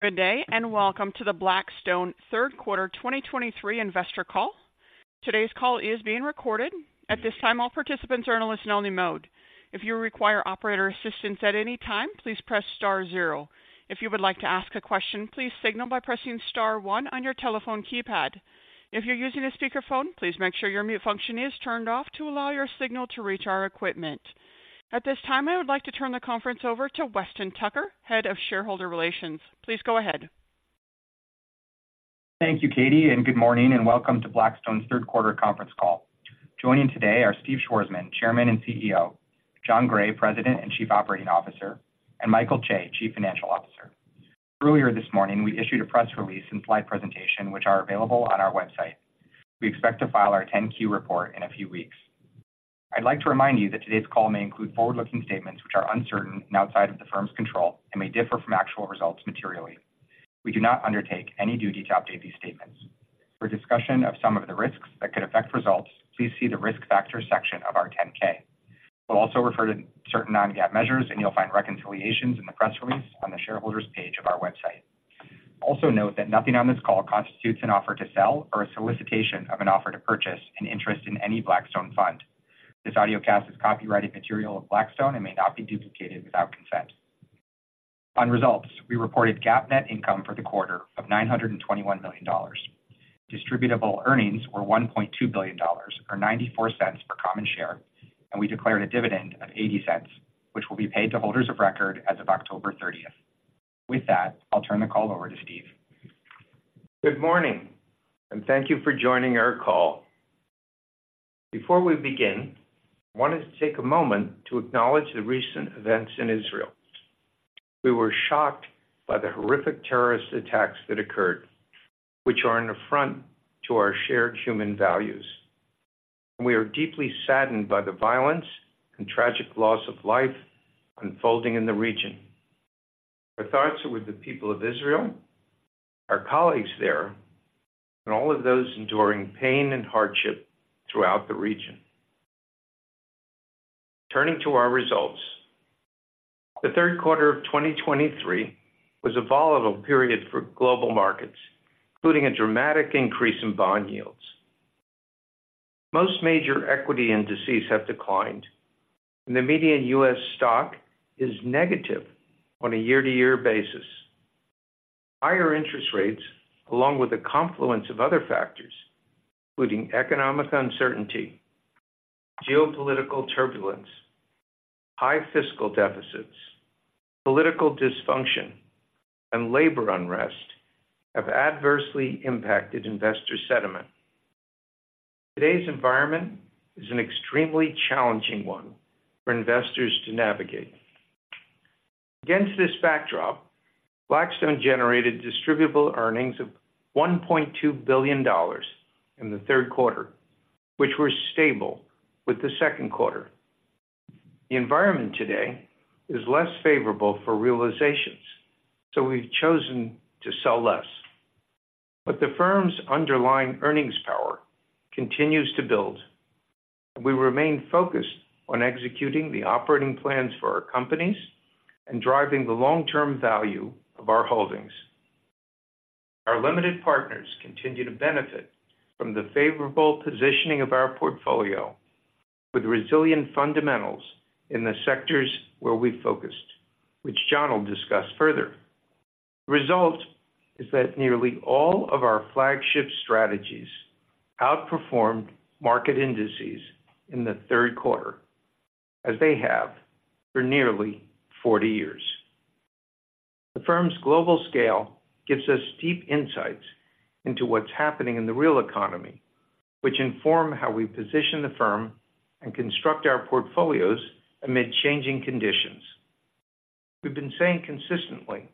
Good day, and welcome to the Blackstone Third Quarter 2023 investor call. Today's call is being recorded. At this time, all participants are in listen-only mode. If you require operator assistance at any time, please press star zero. If you would like to ask a question, please signal by pressing star one on your telephone keypad. If you're using a speakerphone, please make sure your mute function is turned off to allow your signal to reach our equipment. At this time, I would like to turn the conference over to Weston Tucker, Head of Shareholder Relations. Please go ahead. Thank you, Katie, and good morning, and welcome to Blackstone's third quarter conference call. Joining today are Steve Schwarzman, Chairman and CEO, Jon Gray, President and Chief Operating Officer, and Michael Chae, Chief Financial Officer. Earlier this morning, we issued a press release and slide presentation, which are available on our website. We expect to file our 10-Q report in a few weeks. I'd like to remind you that today's call may include forward-looking statements which are uncertain and outside of the firm's control and may differ from actual results materially. We do not undertake any duty to update these statements. For discussion of some of the risks that could affect results, please see the risk factors section of our 10-K. We'll also refer to certain non-GAAP measures, and you'll find reconciliations in the press release on the shareholders page of our website. Also, note that nothing on this call constitutes an offer to sell or a solicitation of an offer to purchase an interest in any Blackstone fund. This audiocast is copyrighted material of Blackstone and may not be duplicated without consent. On results, we reported GAAP net income for the quarter of $921 million. Distributable earnings were $1.2 billion, or $0.94 per common share, and we declared a dividend of $0.80, which will be paid to holders of record as of October thirtieth. With that, I'll turn the call over to Steve. Good morning, and thank you for joining our call. Before we begin, I wanted to take a moment to acknowledge the recent events in Israel. We were shocked by the horrific terrorist attacks that occurred, which are an affront to our shared human values. We are deeply saddened by the violence and tragic loss of life unfolding in the region. Our thoughts are with the people of Israel, our colleagues there, and all of those enduring pain and hardship throughout the region. Turning to our results, the third quarter of 2023 was a volatile period for global markets, including a dramatic increase in bond yields. Most major equity indices have declined, and the median U.S. stock is negative on a year-to-year basis. Higher interest rates, along with a confluence of other factors, including economic uncertainty, geopolitical turbulence, high fiscal deficits, political dysfunction, and labor unrest, have adversely impacted investor sentiment. Today's environment is an extremely challenging one for investors to navigate. Against this backdrop, Blackstone generated distributable earnings of $1.2 billion in the third quarter, which were stable with the second quarter. The environment today is less favorable for realizations, so we've chosen to sell less, but the firm's underlying earnings power continues to build. We remain focused on executing the operating plans for our companies and driving the long-term value of our holdings. Our limited partners continue to benefit from the favorable positioning of our portfolio with resilient fundamentals in the sectors where we've focused, which Jon will discuss further. The result is that nearly all of our flagship strategies outperformed market indices in the third quarter, as they have for nearly forty years. The firm's global scale gives us deep insights into what's happening in the real economy, which inform how we position the firm and construct our portfolios amid changing conditions. We've been saying consistently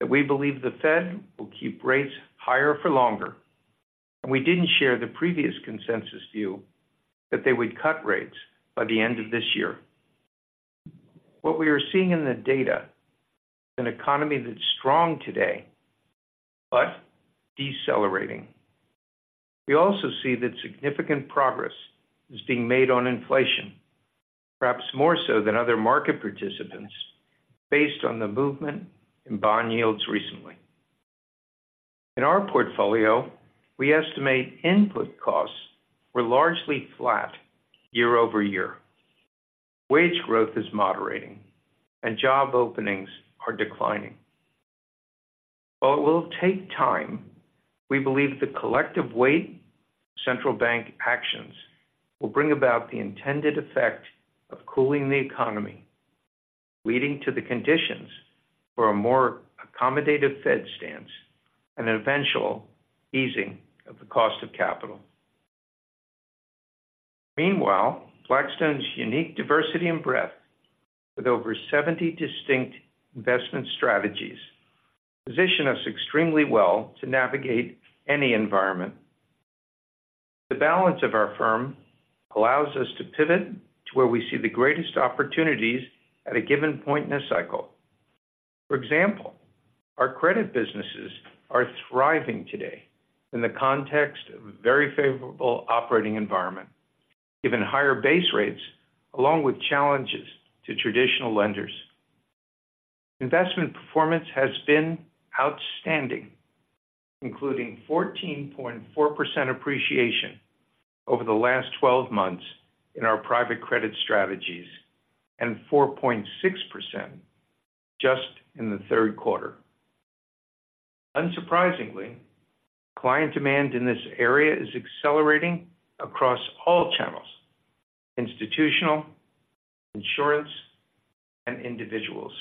that we believe the Fed will keep rates higher for longer, and we didn't share the previous consensus view that they would cut rates by the end of this year. What we are seeing in the data is an economy that's strong today, but decelerating. We also see that significant progress is being made on inflation, perhaps more so than other market participants, based on the movement in bond yields recently. In our portfolio, we estimate input costs were largely flat year-over-year. Wage growth is moderating and job openings are declining. While it will take time, we believe the collective weight of central bank actions will bring about the intended effect of cooling the economy, leading to the conditions for a more accommodative Fed stance and an eventual easing of the cost of capital. Meanwhile, Blackstone's unique diversity and breadth with over 70 distinct investment strategies position us extremely well to navigate any environment. The balance of our firm allows us to pivot to where we see the greatest opportunities at a given point in a cycle. For example, our credit businesses are thriving today in the context of a very favorable operating environment, given higher base rates, along with challenges to traditional lenders. Investment performance has been outstanding, including 14.4% appreciation over the last 12 months in our private credit strategies, and 4.6% just in the third quarter. Unsurprisingly, client demand in this area is accelerating across all channels: institutional, insurance, and individuals.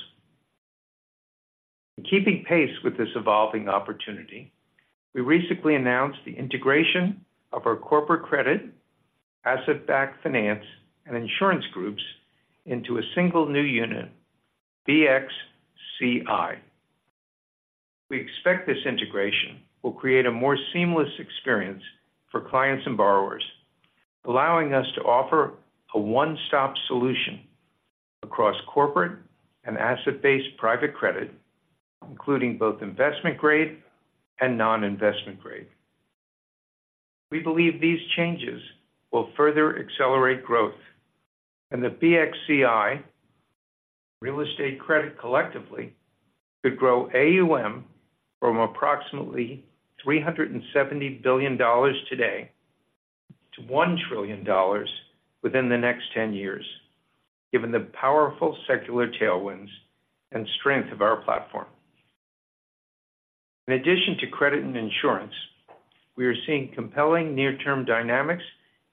Keeping pace with this evolving opportunity, we recently announced the integration of our corporate credit, asset-backed finance, and insurance groups into a single new unit, BXCI. We expect this integration will create a more seamless experience for clients and borrowers, allowing us to offer a one-stop solution across corporate and asset-based private credit, including both investment grade and non-investment grade. We believe these changes will further accelerate growth, and the BXCI real estate credit collectively could grow AUM from approximately $370 billion today to $1 trillion within the next ten years, given the powerful secular tailwinds and strength of our platform. In addition to credit and insurance, we are seeing compelling near-term dynamics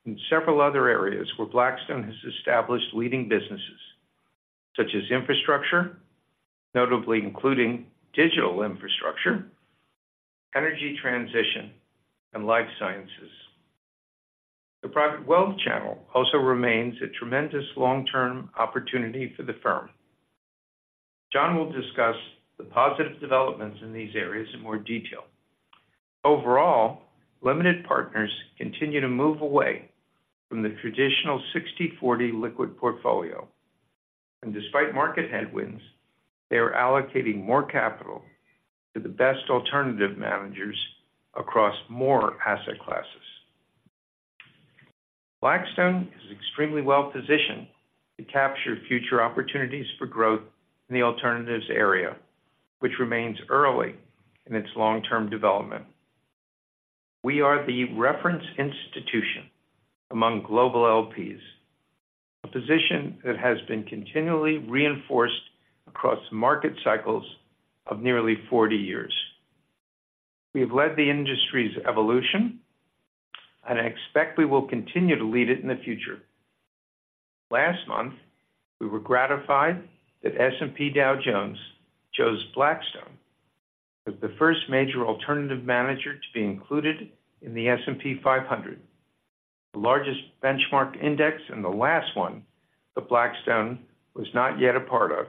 in several other areas where Blackstone has established leading businesses, such as infrastructure, notably including digital infrastructure, energy transition, and life sciences. The private wealth channel also remains a tremendous long-term opportunity for the firm. Jon will discuss the positive developments in these areas in more detail. Overall, limited partners continue to move away from the traditional 60/40 liquid portfolio, and despite market headwinds, they are allocating more capital to the best alternative managers across more asset classes. Blackstone is extremely well-positioned to capture future opportunities for growth in the alternatives area, which remains early in its long-term development. We are the reference institution among global LPs, a position that has been continually reinforced across market cycles of nearly 40 years. We have led the industry's evolution, and I expect we will continue to lead it in the future. Last month, we were gratified that S&P Dow Jones chose Blackstone as the first major alternative manager to be included in the S&P 500, the largest benchmark index and the last one that Blackstone was not yet a part of,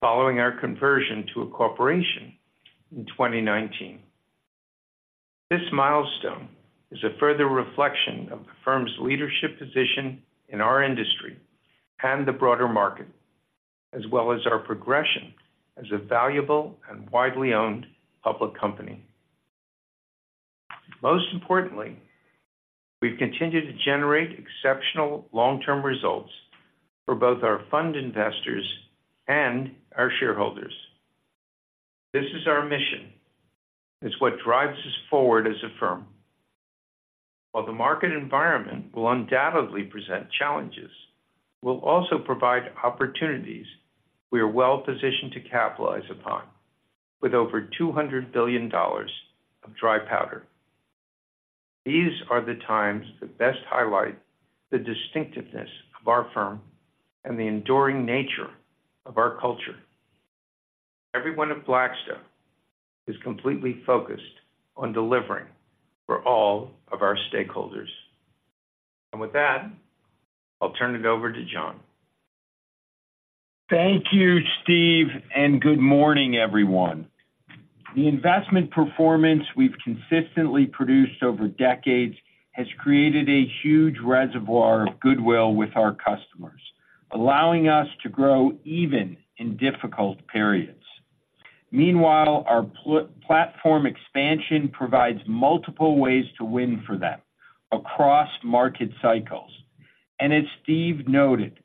following our conversion to a corporation in 2019. This milestone is a further reflection of the firm's leadership position in our industry and the broader market, as well as our progression as a valuable and widely owned public company. Most importantly, we've continued to generate exceptional long-term results for both our fund investors and our shareholders. This is our mission. It's what drives us forward as a firm. While the market environment will undoubtedly present challenges, we'll also provide opportunities we are well positioned to capitalize upon, with over $200 billion of dry powder. These are the times that best highlight the distinctiveness of our firm and the enduring nature of our culture. Everyone at Blackstone is completely focused on delivering for all of our stakeholders. And with that, I'll turn it over to Jon. Thank you, Steve, and good morning, everyone. The investment performance we've consistently produced over decades has created a huge reservoir of goodwill with our customers, allowing us to grow even in difficult periods. Meanwhile, our platform expansion provides multiple ways to win for them across market cycles. And as Steve noted,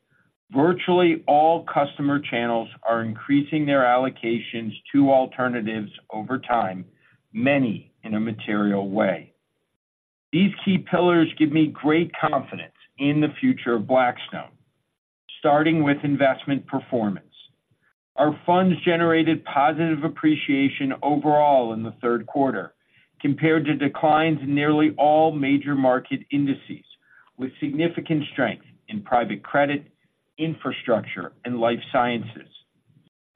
virtually all customer channels are increasing their allocations to alternatives over time, many in a material way. These key pillars give me great confidence in the future of Blackstone, starting with investment performance. Our funds generated positive appreciation overall in the third quarter, compared to declines in nearly all major market indices, with significant strength in private credit, infrastructure, and life sciences.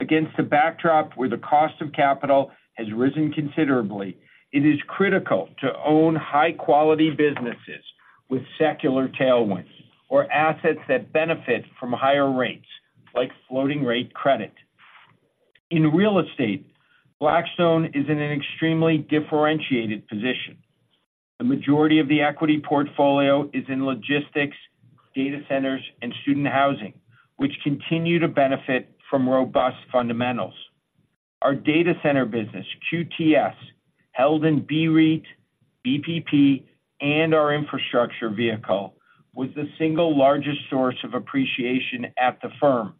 Against the backdrop where the cost of capital has risen considerably, it is critical to own high-quality businesses with secular tailwinds or assets that benefit from higher rates, like floating rate credit. In real estate, Blackstone is in an extremely differentiated position. The majority of the equity portfolio is in logistics, data centers, and student housing, which continue to benefit from robust fundamentals. Our data center business, QTS, held in BREIT, BPP, and our infrastructure vehicle, was the single largest source of appreciation at the firm,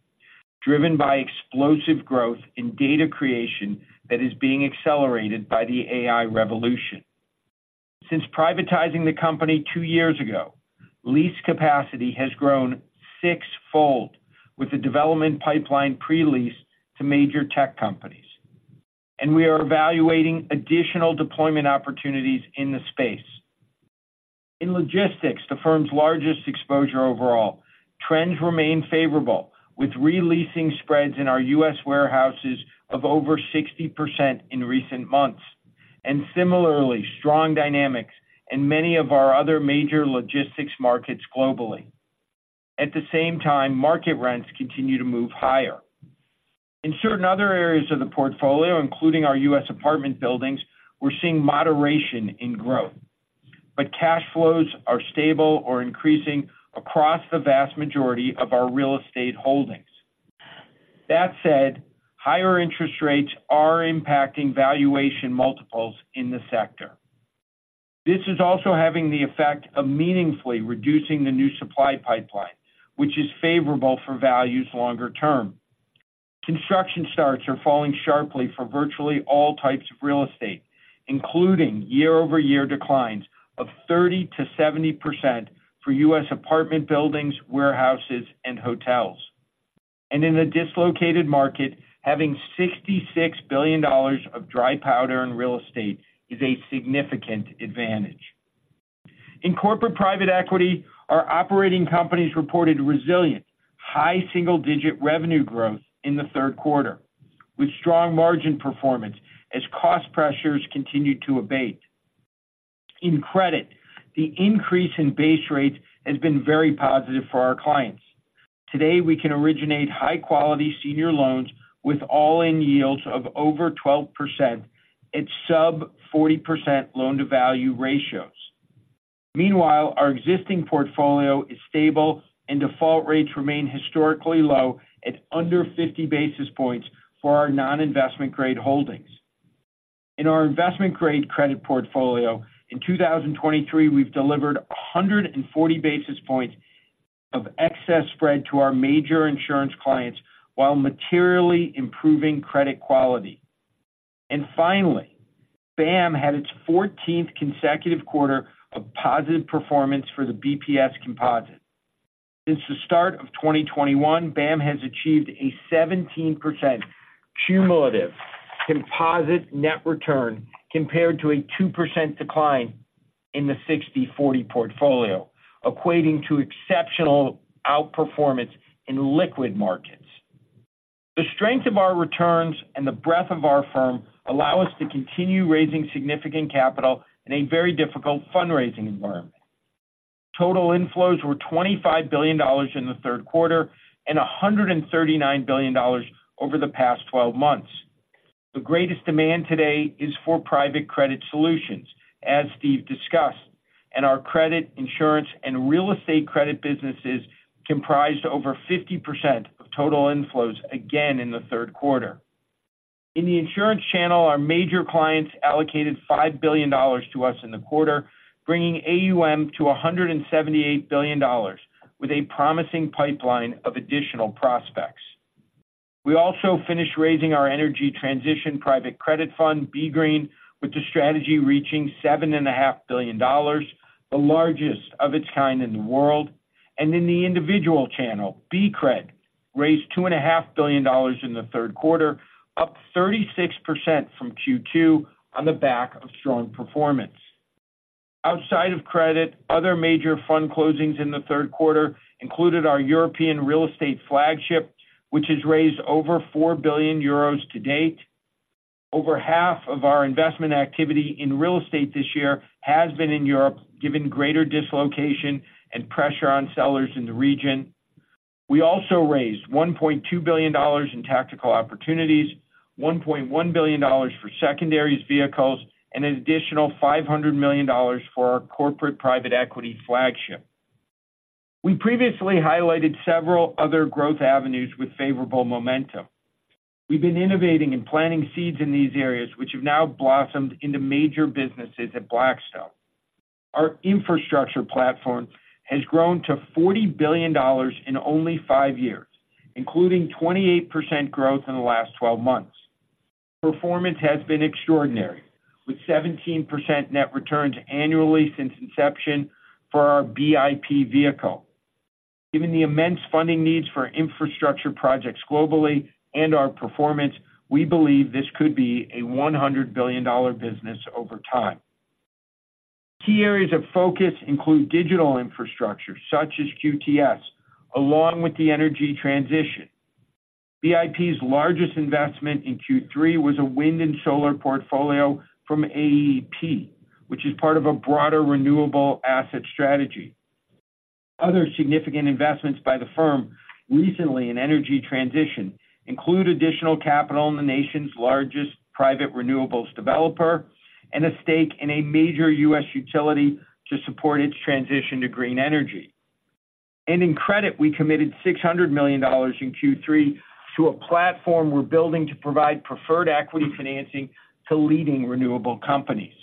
driven by explosive growth in data creation that is being accelerated by the AI revolution. Since privatizing the company two years ago, lease capacity has grown sixfold with the development pipeline pre-leased to major tech companies, and we are evaluating additional deployment opportunities in the space. In logistics, the firm's largest exposure overall, trends remain favorable, with re-leasing spreads in our U.S. warehouses of over 60% in recent months, and similarly strong dynamics in many of our other major logistics markets globally. At the same time, market rents continue to move higher. In certain other areas of the portfolio, including our U.S. apartment buildings, we're seeing moderation in growth, but cash flows are stable or increasing across the vast majority of our real estate holdings. That said, higher interest rates are impacting valuation multiples in the sector. This is also having the effect of meaningfully reducing the new supply pipeline, which is favorable for values longer term. Construction starts are falling sharply for virtually all types of real estate, including year-over-year declines of 30%-70% for U.S. apartment buildings, warehouses, and hotels. In a dislocated market, having $66 billion of dry powder in real estate is a significant advantage. In corporate private equity, our operating companies reported resilient, high single-digit revenue growth in the third quarter, with strong margin performance as cost pressures continued to abate. In credit, the increase in base rates has been very positive for our clients. Today, we can originate high-quality senior loans with all-in yields of over 12% at sub-40% loan-to-value ratios. Meanwhile, our existing portfolio is stable, and default rates remain historically low at under 50 basis points for our non-investment grade holdings. In our investment grade credit portfolio, in 2023, we've delivered 140 basis points of excess spread to our major insurance clients, while materially improving credit quality. And finally, BAAM had its 14th consecutive quarter of positive performance for the BPS composite. Since the start of 2021, BAAM has achieved a 17% cumulative composite net return, compared to a 2% decline in the 60/40 portfolio, equating to exceptional outperformance in liquid markets. The strength of our returns and the breadth of our firm allow us to continue raising significant capital in a very difficult fundraising environment. Total inflows were $25 billion in the third quarter and $139 billion over the past twelve months. The greatest demand today is for private credit solutions, as Steve discussed, and our credit, insurance, and real estate credit businesses comprised over 50% of total inflows again in the third quarter. In the insurance channel, our major clients allocated $5 billion to us in the quarter, bringing AUM to $178 billion, with a promising pipeline of additional prospects. We also finished raising our energy transition private credit fund, BGREEN, with the strategy reaching $7.5 billion, the largest of its kind in the world. In the individual channel, BCRED raised $2.5 billion in the third quarter, up 36% from Q2 on the back of strong performance. Outside of credit, other major fund closings in the third quarter included our European Real Estate flagship, which has raised over 4 billion euros to date. Over half of our investment activity in real estate this year has been in Europe, given greater dislocation and pressure on sellers in the region. We also raised $1.2 billion in tactical opportunities, $1.1 billion for secondaries vehicles, and an additional $500 million for our corporate private equity flagship. We previously highlighted several other growth avenues with favorable momentum. We've been innovating and planting seeds in these areas, which have now blossomed into major businesses at Blackstone. Our infrastructure platform has grown to $40 billion in only 5 years, including 28% growth in the last 12 months. Performance has been extraordinary, with 17% net returns annually since inception for our BIP vehicle. Given the immense funding needs for infrastructure projects globally and our performance, we believe this could be a $100 billion business over time. Key areas of focus include digital infrastructure, such as QTS, along with the energy transition. BIP's largest investment in Q3 was a wind and solar portfolio from AEP, which is part of a broader renewable asset strategy. Other significant investments by the firm recently in energy transition include additional capital in the nation's largest private renewables developer and a stake in a major US utility to support its transition to green energy.... In credit, we committed $600 million in Q3 to a platform we're building to provide preferred equity financing to leading renewable companies.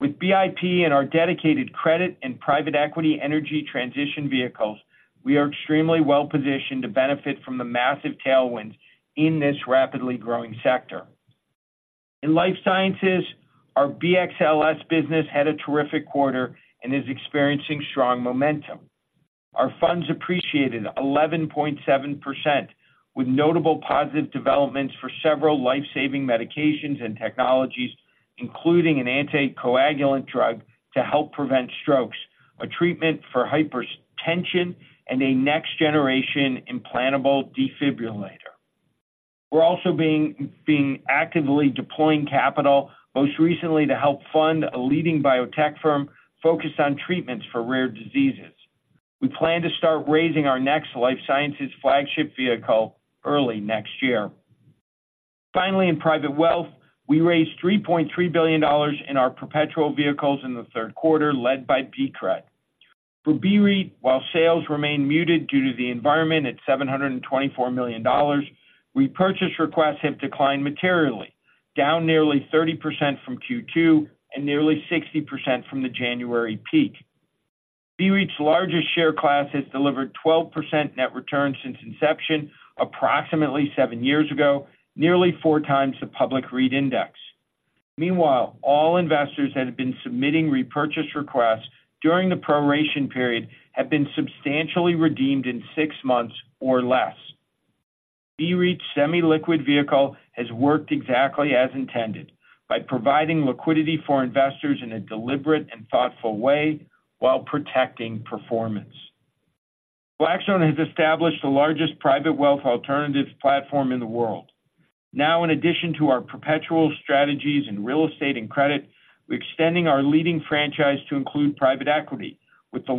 With BIP and our dedicated credit and private equity energy transition vehicles, we are extremely well positioned to benefit from the massive tailwinds in this rapidly growing sector. In life sciences, our BXLS business had a terrific quarter and is experiencing strong momentum. Our funds appreciated 11.7%, with notable positive developments for several life-saving medications and technologies, including an anticoagulant drug to help prevent strokes, a treatment for hypertension, and a next-generation implantable defibrillator. We're also actively deploying capital, most recently to help fund a leading biotech firm focused on treatments for rare diseases. We plan to start raising our next life sciences flagship vehicle early next year. Finally, in private wealth, we raised $3.3 billion in our perpetual vehicles in the third quarter, led by BCRED. For BREIT, while sales remain muted due to the environment at $724 million, repurchase requests have declined materially, down nearly 30% from Q2 and nearly 60% from the January peak. BREIT's largest share class has delivered 12% net return since inception, approximately 7 years ago, nearly 4x the public REIT index. Meanwhile, all investors that have been submitting repurchase requests during the proration period have been substantially redeemed in 6 months or less. BREIT's semi-liquid vehicle has worked exactly as intended, by providing liquidity for investors in a deliberate and thoughtful way while protecting performance. Blackstone has established the largest private wealth alternatives platform in the world. Now, in addition to our perpetual strategies in real estate and credit, we're extending our leading franchise to include private equity, with the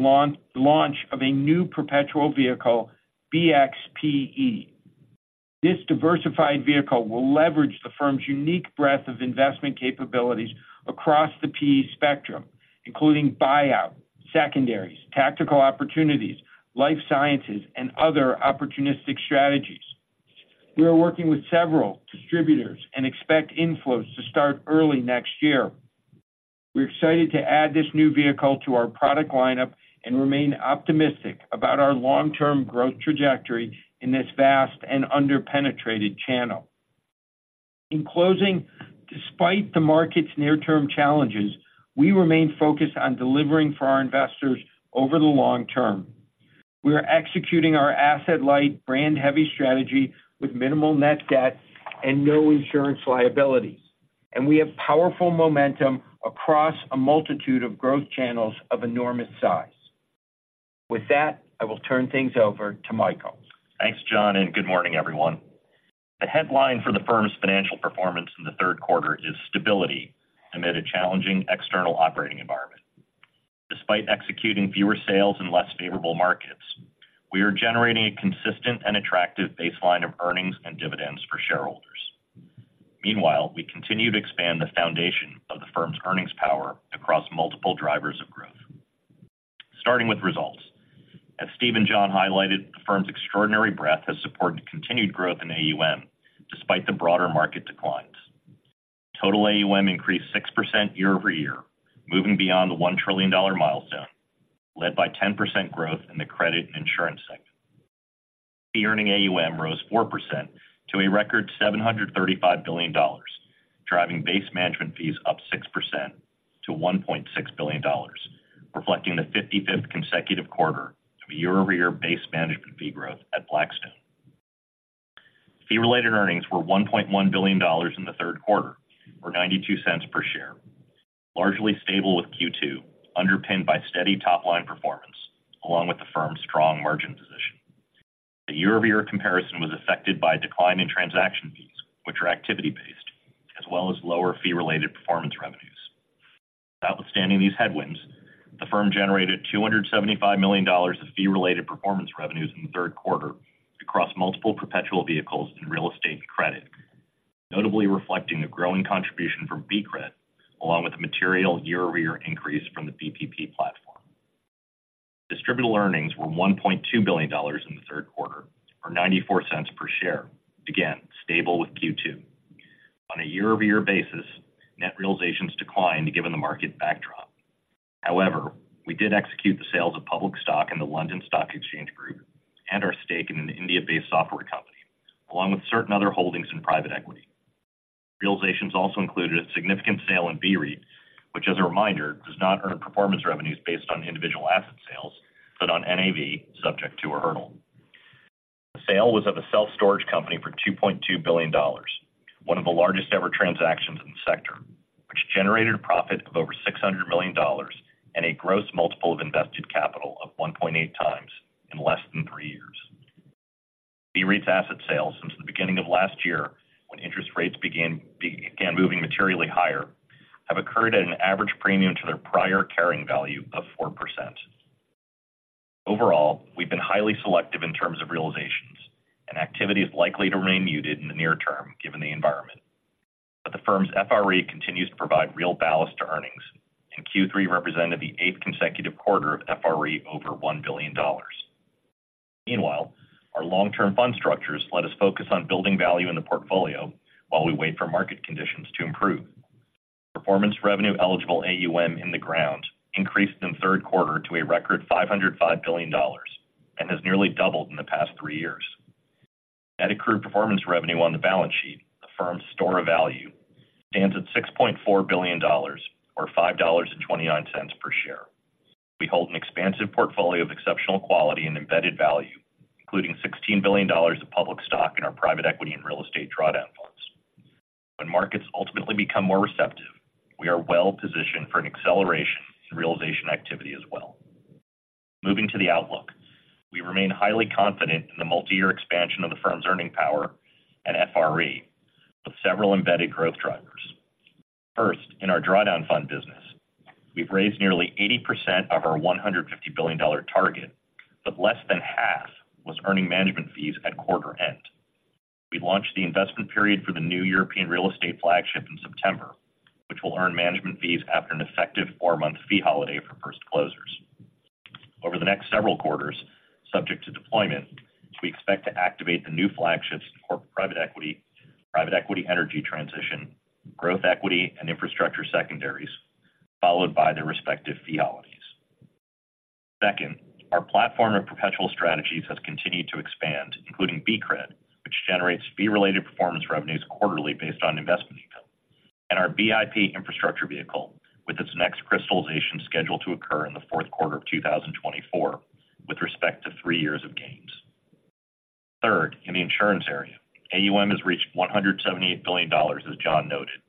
launch of a new perpetual vehicle, BXPE. This diversified vehicle will leverage the firm's unique breadth of investment capabilities across the PE spectrum, including buyout, secondaries, tactical opportunities, life sciences, and other opportunistic strategies. We are working with several distributors and expect inflows to start early next year. We're excited to add this new vehicle to our product lineup and remain optimistic about our long-term growth trajectory in this vast and under-penetrated channel. In closing, despite the market's near-term challenges, we remain focused on delivering for our investors over the long term. We are executing our asset-light, brand-heavy strategy with minimal net debt and no insurance liabilities, and we have powerful momentum across a multitude of growth channels of enormous size. With that, I will turn things over to Michael. Thanks, Jon, and good morning, everyone. The headline for the firm's financial performance in the third quarter is stability amid a challenging external operating environment. Despite executing fewer sales in less favorable markets, we are generating a consistent and attractive baseline of earnings and dividends for shareholders. Meanwhile, we continue to expand the foundation of the firm's earnings power across multiple drivers of growth. Starting with results. As Steve and Jon highlighted, the firm's extraordinary breadth has supported continued growth in AUM despite the broader market declines. Total AUM increased 6% year-over-year, moving beyond the $1 trillion milestone, led by 10% growth in the credit and insurance segment. The ending AUM rose 4% to a record $735 billion, driving base management fees up 6% to $1.6 billion, reflecting the 55th consecutive quarter of a year-over-year base management fee growth at Blackstone. Fee-related earnings were $1.1 billion in the third quarter, or $0.92 per share, largely stable with Q2, underpinned by steady top-line performance, along with the firm's strong margin position. The year-over-year comparison was affected by a decline in transaction fees, which are activity-based, as well as lower fee-related performance revenues. Notwithstanding these headwinds, the firm generated $275 million of fee-related performance revenues in the third quarter across multiple perpetual vehicles in real estate and credit, notably reflecting the growing contribution from BCRED, along with a material year-over-year increase from the BPP platform. Distributable earnings were $1.2 billion in the third quarter, or $0.94 per share. Again, stable with Q2. On a year-over-year basis, net realizations declined given the market backdrop. However, we did execute the sales of public stock in the London Stock Exchange Group and our stake in an India-based software company, along with certain other holdings in private equity. Realizations also included a significant sale in BREIT, which, as a reminder, does not earn performance revenues based on individual asset sales, but on NAV, subject to a hurdle. The sale was of a self-storage company for $2.2 billion, one of the largest-ever transactions in the sector, which generated a profit of over $600 million and a gross multiple of invested capital of 1.8x in less than three years. BREIT's asset sales, since the beginning of last year, when interest rates began moving materially higher, have occurred at an average premium to their prior carrying value of 4%. Overall, we've been highly selective in terms of realizations, and activity is likely to remain muted in the near term, given the environment.... The firm's FRE continues to provide real ballast to earnings, and Q3 represented the eighth consecutive quarter of FRE over $1 billion. Meanwhile, our long-term fund structures let us focus on building value in the portfolio while we wait for market conditions to improve. Performance revenue eligible AUM in the ground increased in the third quarter to a record $505 billion, and has nearly doubled in the past three years. Net accrued performance revenue on the balance sheet, the firm's store of value, stands at $6.4 billion, or $5.29 per share. We hold an expansive portfolio of exceptional quality and embedded value, including $16 billion of public stock in our private equity and real estate drawdown funds. When markets ultimately become more receptive, we are well positioned for an acceleration in realization activity as well. Moving to the outlook, we remain highly confident in the multi-year expansion of the firm's earning power and FRE, with several embedded growth drivers. First, in our drawdown fund business, we've raised nearly 80% of our $150 billion target, but less than half was earning management fees at quarter end. We launched the investment period for the new European real estate flagship in September, which will earn management fees after an effective four-month fee holiday for first closers. Over the next several quarters, subject to deployment, we expect to activate the new flagships in corporate private equity, private equity energy transition, growth equity, and infrastructure secondaries, followed by their respective fee holidays. Second, our platform of perpetual strategies has continued to expand, including BCRED, which generates fee-related performance revenues quarterly based on investment income, and our BIP infrastructure vehicle, with its next crystallization scheduled to occur in the fourth quarter of 2024, with respect to three years of gains. Third, in the insurance area, AUM has reached $178 billion, as Jon noted,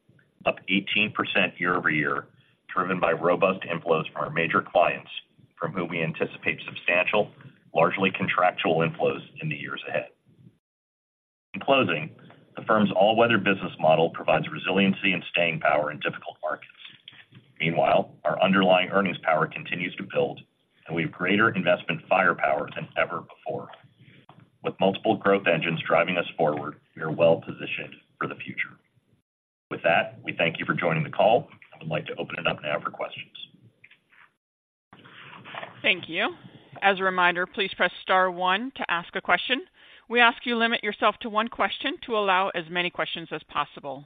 up 18% year-over-year, driven by robust inflows from our major clients, from whom we anticipate substantial, largely contractual inflows in the years ahead. In closing, the firm's all-weather business model provides resiliency and staying power in difficult markets. Meanwhile, our underlying earnings power continues to build, and we have greater investment firepower than ever before. With multiple growth engines driving us forward, we are well positioned for the future. With that, we thank you for joining the call. I would like to open it up now for questions. Thank you. As a reminder, please press star one to ask a question. We ask you limit yourself to one question to allow as many questions as possible.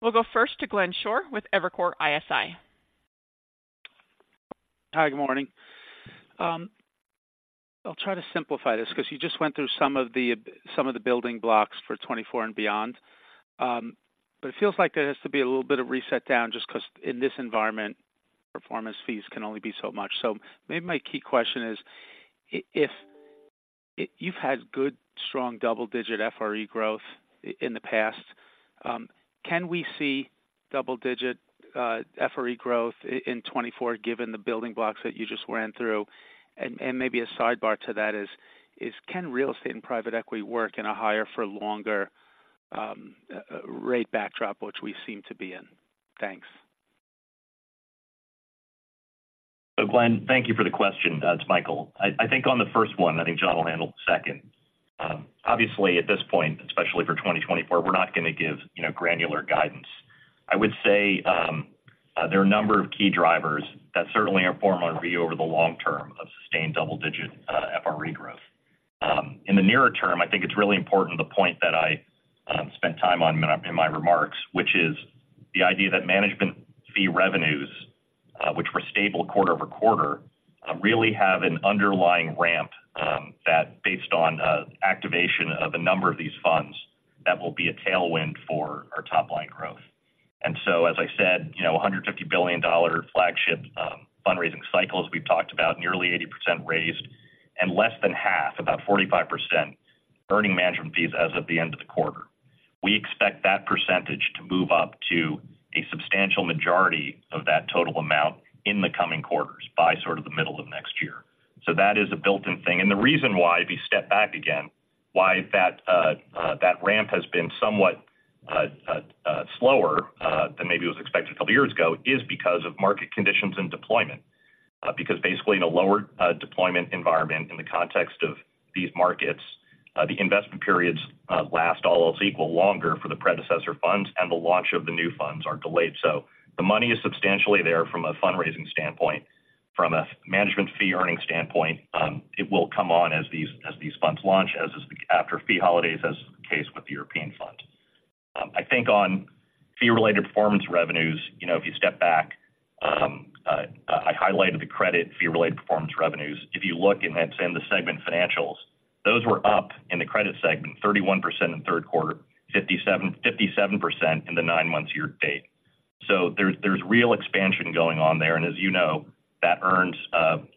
We'll go first to Glenn Schorr with Evercore ISI. Hi, good morning. I'll try to simplify this because you just went through some of the building blocks for 2024 and beyond. But it feels like there has to be a little bit of reset down just because in this environment, performance fees can only be so much. So maybe my key question is: If you've had good, strong double-digit FRE growth in the past, can we see double-digit FRE growth in 2024, given the building blocks that you just ran through? And maybe a sidebar to that is: can real estate and private equity work in a higher for longer rate backdrop, which we seem to be in? Thanks. So, Glenn, thank you for the question. It's Michael. I think on the first one, I think Jon will handle the second. Obviously, at this point, especially for 2024, we're not going to give granular guidance. I would say, there are a number of key drivers that certainly inform on our, over the long term, of sustained double-digit FRE growth. In the nearer term, I think it's really important, the point that I spent time on in my remarks, which is the idea that management fee revenues, which were stable quarter-over-quarter, really have an underlying ramp, that based on activation of a number of these funds, that will be a tailwind for our top-line growth. And so, as I said, you know, a $150 billion flagship fundraising cycles. We've talked about nearly 80% raised and less than half, about 45%, earning management fees as of the end of the quarter. We expect that percentage to move up to a substantial majority of that total amount in the coming quarters by sort of the middle of next year. So that is a built-in thing. And the reason why, if you step back again, why that, that ramp has been somewhat, slower, than maybe it was expected a couple of years ago, is because of market conditions and deployment. Because basically, in a lower, deployment environment, in the context of these markets, the investment periods, last all else equal longer for the predecessor funds, and the launch of the new funds are delayed. So the money is substantially there from a fundraising standpoint. From a management fee earning standpoint, it will come on as these funds launch, as after fee holidays, as is the case with the European Fund. I think on fee-related performance revenues, if you step back, I highlighted the credit fee-related performance revenues. If you look in, let's say, in the segment financials, those were up in the credit segment, 31% in the third quarter, 57% in the nine months year to date. So there's real expansion going on there, and as you know, that earns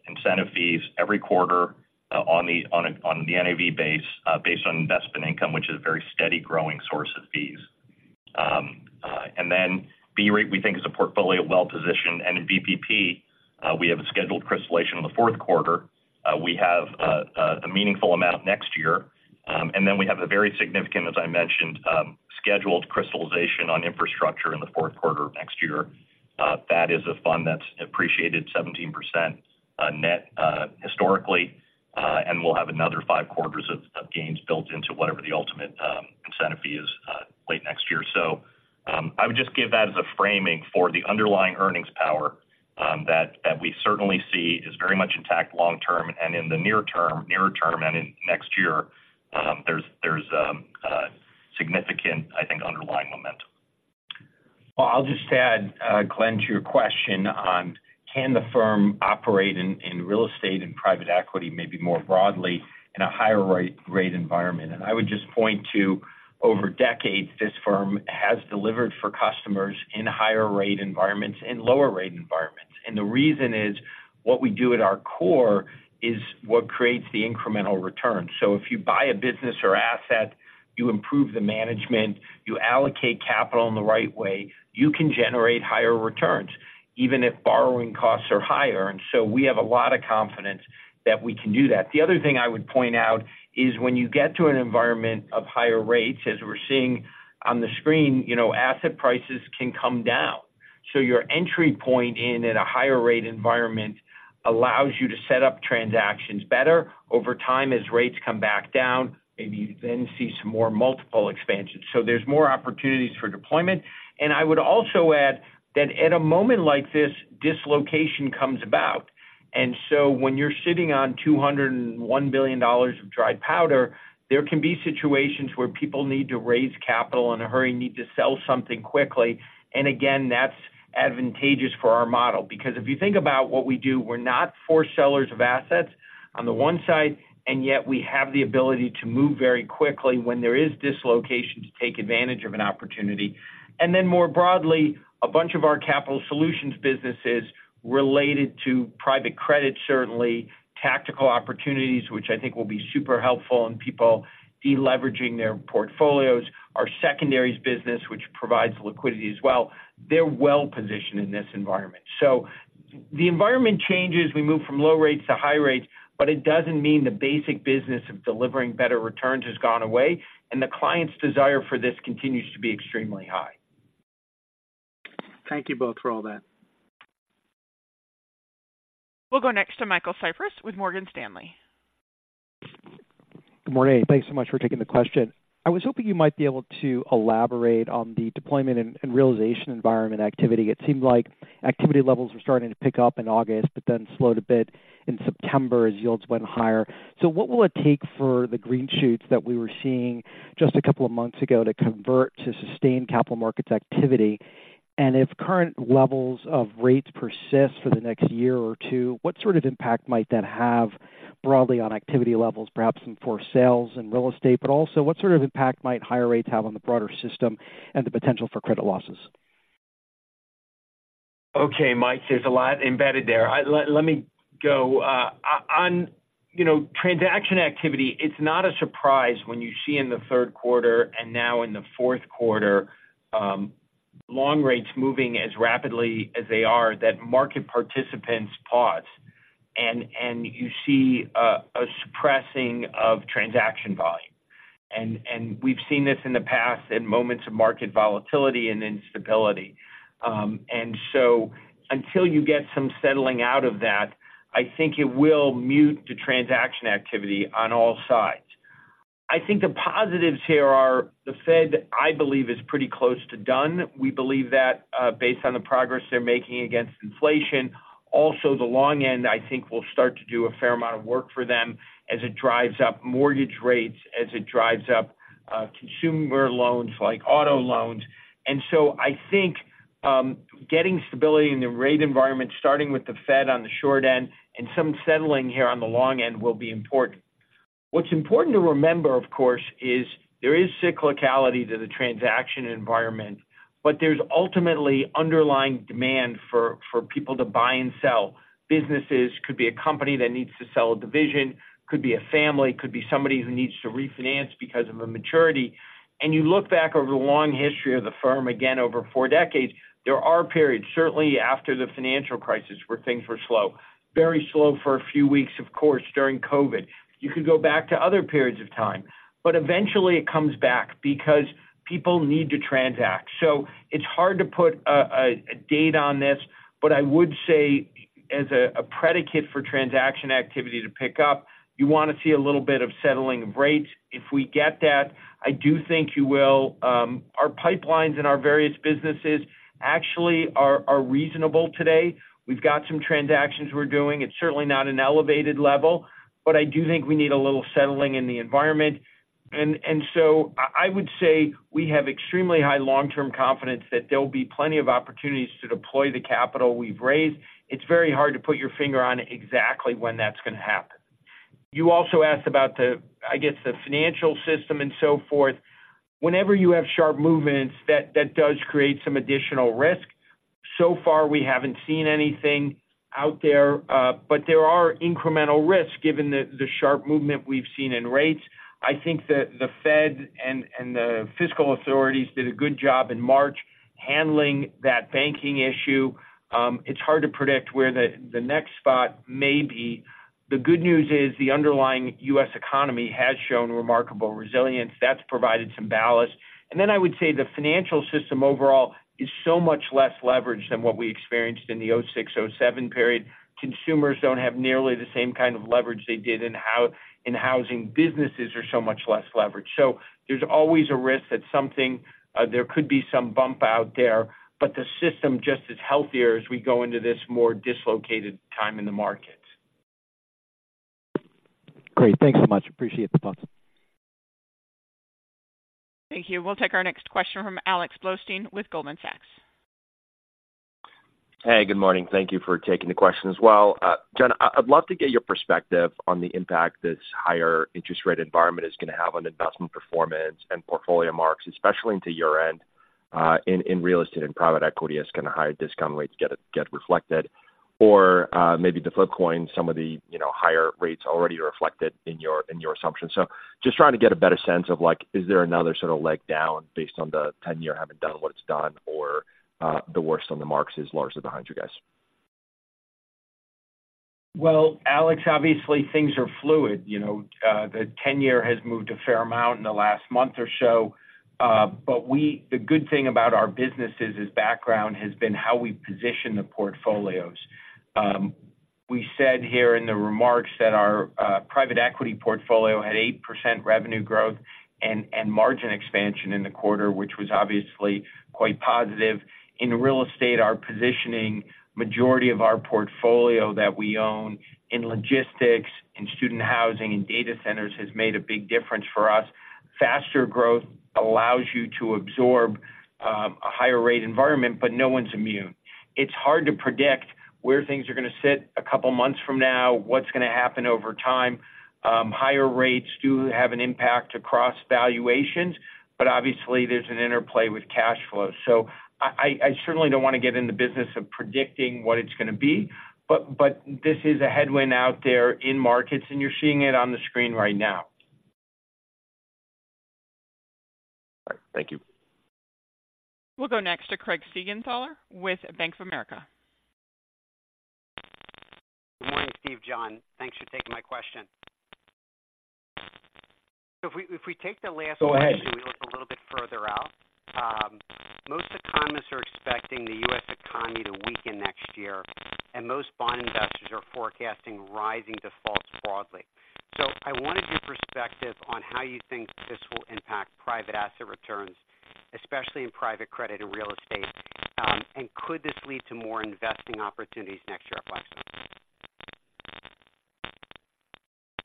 incentive fees every quarter on the NAV base based on investment income, which is a very steady growing source of fees. And then BREIT, we think, is a portfolio well-positioned, and in BPP, we have a scheduled crystallization in the fourth quarter. We have a meaningful amount next year, and then we have a very significant, as I mentioned, scheduled crystallization on infrastructure in the fourth quarter of next year. That is a fund that's appreciated 17% net, historically, and we'll have another five quarters of gains built into whatever the ultimate incentive fee is, late next year. So, I would just give that as a framing for the underlying earnings power, that we certainly see is very much intact long term, and in the near term, nearer term and in next year, there's significant, I think, underlying momentum. Well, I'll just add, Glenn, to your question on, can the firm operate in real estate and private equity, maybe more broadly, in a higher rate environment? And I would just point to, over decades, this firm has delivered for customers in higher rate environments and lower rate environments. And the reason is, what we do at our core is what creates the incremental return. So if you buy a business or asset, you improve the management, you allocate capital in the right way, you can generate higher returns, even if borrowing costs are higher. And so we have a lot of confidence that we can do that. The other thing I would point out is, when you get to an environment of higher rates, as we're seeing on the screen, you know, asset prices can come down. So your entry point in, at a higher rate environment, allows you to set up transactions better. Over time, as rates come back down, maybe you then see some more multiple expansions. So there's more opportunities for deployment. And I would also add that at a moment like this, dislocation comes about. And so when you're sitting on $201 billion of dry powder, there can be situations where people need to raise capital in a hurry, need to sell something quickly. And again, that's advantageous for our model. Because if you think about what we do, we're not forced sellers of assets on the one side, and yet we have the ability to move very quickly when there is dislocation, to take advantage of an opportunity. And then, more broadly, a bunch of our capital solutions businesses related to private credit, certainly tactical opportunities, which I think will be super helpful, and people deleveraging their portfolios. Our secondaries business, which provides liquidity as well, they're well-positioned in this environment. So the environment changes. We move from low rates to high rates, but it doesn't mean the basic business of delivering better returns has gone away, and the client's desire for this continues to be extremely high. Thank you both for all that. We'll go next to Michael Cyprys with Morgan Stanley. Good morning. Thanks so much for taking the question. I was hoping you might be able to elaborate on the deployment and realization environment activity. It seemed like activity levels were starting to pick up in August, but then slowed a bit in September as yields went higher. So what will it take for the green shoots that we were seeing just a couple of months ago, to convert to sustained capital markets activity? And if current levels of rates persist for the next year or two, what sort of impact might that have broadly on activity levels, perhaps in forced sales and real estate? But also, what sort of impact might higher rates have on the broader system and the potential for credit losses? Okay, Mike, there's a lot embedded there. Let me go on. You know, transaction activity, it's not a surprise when you see in the third quarter, and now in the fourth quarter, long rates moving as rapidly as they are, that market participants pause, and, and you see, a suppressing of transaction volume. And, and we've seen this in the past, in moments of market volatility and instability. And so until you get some settling out of that, I think it will mute the transaction activity on all sides. I think the positives here are, the Fed, I believe, is pretty close to done. We believe that, based on the progress they're making against inflation. Also, the long end, I think, will start to do a fair amount of work for them as it drives up mortgage rates, as it drives up consumer loans, like auto loans. And so I think, getting stability in the rate environment, starting with the Fed on the short end and some settling here on the long end, will be important. What's important to remember, of course, is there is cyclicality to the transaction environment, but there's ultimately underlying demand for people to buy and sell. Businesses could be a company that needs to sell a division, could be a family, could be somebody who needs to refinance because of a maturity. You look back over the long history of the firm, again, over four decades, there are periods, certainly after the financial crisis, where things were slow, very slow for a few weeks, of course, during COVID. You could go back to other periods of time, but eventually it comes back because people need to transact. So it's hard to put a date on this, but I would say, as a predicate for transaction activity to pick up, you want to see a little bit of settling of rates. If we get that, I do think you will. Our pipelines in our various businesses actually are reasonable today. We've got some transactions we're doing. It's certainly not an elevated level, but I do think we need a little settling in the environment. And so I would say we have extremely high long-term confidence that there will be plenty of opportunities to deploy the capital we've raised. It's very hard to put your finger on exactly when that's going to happen. You also asked about the, I guess, the financial system and so forth. Whenever you have sharp movements, that does create some additional risk. So far, we haven't seen anything out there, but there are incremental risks given the sharp movement we've seen in rates. I think that the Fed and the fiscal authorities did a good job in March handling that banking issue. It's hard to predict where the next spot may be. The good news is, the underlying U.S. economy has shown remarkable resilience. That's provided some ballast. Then I would say the financial system overall is so much less leveraged than what we experienced in the 2006-2007 period. Consumers don't have nearly the same kind of leverage they did in housing. Businesses are so much less leveraged. So there's always a risk that something, there could be some bump out there, but the system just is healthier as we go into this more dislocated time in the market. Great. Thanks so much. Appreciate the thoughts. Thank you. We'll take our next question from Alex Blostein with Goldman Sachs. Hey, good morning. Thank you for taking the question as well. Jon, I'd love to get your perspective on the impact this higher interest rate environment is gonna have on investment performance and portfolio marks, especially into year-end, in real estate and private equity, as kind of higher discount rates get reflected. Or, maybe the flip coin, some of the, you know, higher rates already reflected in your assumptions. So just trying to get a better sense of, like, is there another sort of leg down based on the ten-year having done what it's done, or the worst on the marks is largely behind you guys? Well, Alex, obviously, things are fluid. You know, the 10-year has moved a fair amount in the last month or so, but we, the good thing about our businesses' background has been how we position the portfolios. We said here in the remarks that our private equity portfolio had 8% revenue growth and margin expansion in the quarter, which was obviously quite positive. In real estate, our positioning, majority of our portfolio that we own in logistics, in student housing, and data centers, has made a big difference for us. Faster growth allows you to absorb a higher rate environment, but no one's immune. It's hard to predict where things are gonna sit a couple months from now, what's gonna happen over time. Higher rates do have an impact across valuations, but obviously, there's an interplay with cash flow. So I certainly don't want to get in the business of predicting what it's gonna be, but this is a headwind out there in markets, and you're seeing it on the screen right now. All right. Thank you. We'll go next to Craig Siegenthaler with Bank of America. Good morning, Steve, Jon. Thanks for taking my question. So if we take the last question- Go ahead we look a little bit further out, most economists are expecting the U.S. economy to weaken next year, and most bond investors are forecasting rising defaults broadly. So I wanted your perspective on how you think this will impact private asset returns, especially in private credit and real estate. And could this lead to more investing opportunities next year at Blackstone?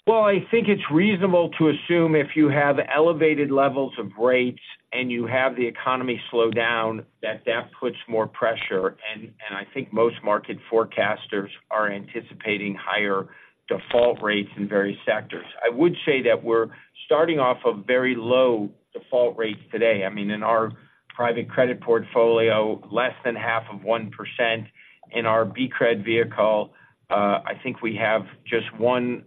Well, I think it's reasonable to assume if you have elevated levels of rates and you have the economy slow down, that that puts more pressure, and I think most market forecasters are anticipating higher default rates in various sectors. I would say that we're starting off of very low default rates today. I mean, in our private credit portfolio, less than half of 1%. In our BCRED vehicle, I think we have just one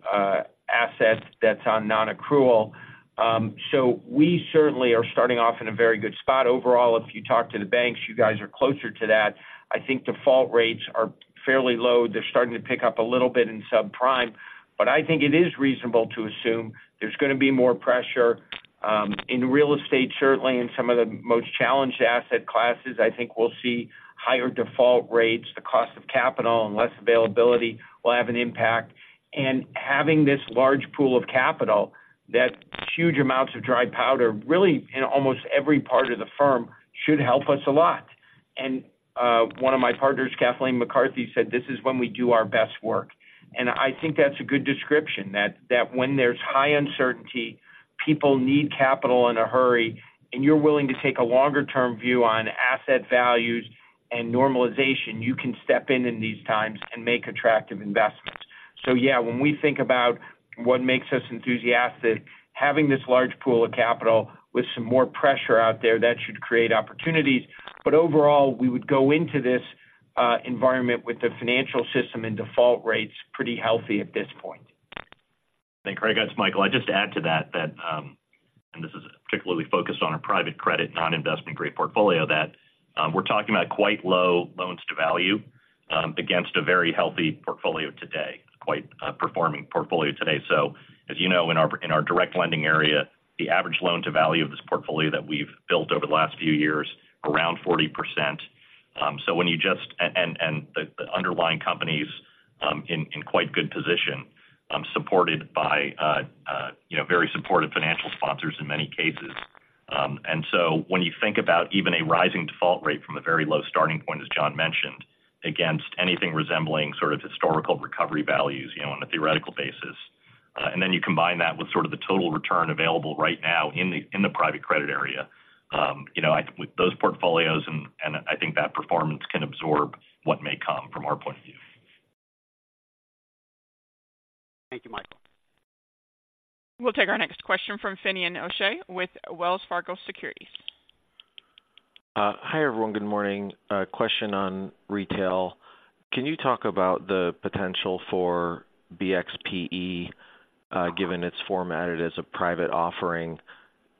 asset that's on nonaccrual. So we certainly are starting off in a very good spot overall. If you talk to the banks, you guys are closer to that. I think default rates are fairly low. They're starting to pick up a little bit in subprime, but I think it is reasonable to assume there's gonna be more pressure in real estate, certainly in some of the most challenged asset classes. I think we'll see higher default rates. The cost of capital and less availability will have an impact. And having this large pool of capital, that huge amounts of dry powder, really in almost every part of the firm, should help us a lot. And one of my partners, Kathleen McCarthy, said, "This is when we do our best work." And I think that's a good description, that when there's high uncertainty, people need capital in a hurry, and you're willing to take a longer-term view on asset values and normalization, you can step in in these times and make attractive investments. So yeah, when we think about what makes us enthusiastic, having this large pool of capital with some more pressure out there, that should create opportunities. But overall, we would go into this environment with the financial system and default rates pretty healthy at this point. Thanks, Craig. It's Michael. I'd just add to that, that, and this is particularly focused on our private credit, non-investment grade portfolio, that, we're talking about quite low loan-to-value, against a very healthy portfolio today, quite performing portfolio today. So as you know, in our direct lending area, the average loan-to-value of this portfolio that we've built over the last few years, around 40%. So when you just-- and the underlying companies, in quite good position, supported by, you know, very supportive financial sponsors in many cases. And so when you think about even a rising default rate from a very low starting point, as Jon mentioned, against anything resembling sort of historical recovery values, you know, on a theoretical basis, and then you combine that with sort of the total return available right now in the, in the private credit area, you know, I with those portfolios and, and I think that performance can absorb what may come, from our point of view. Thank you, Michael. We'll take our next question from Finian O'Shea with Wells Fargo Securities. Hi, everyone. Good morning. A question on retail.... Can you talk about the potential for BXPE, given it's formatted as a private offering?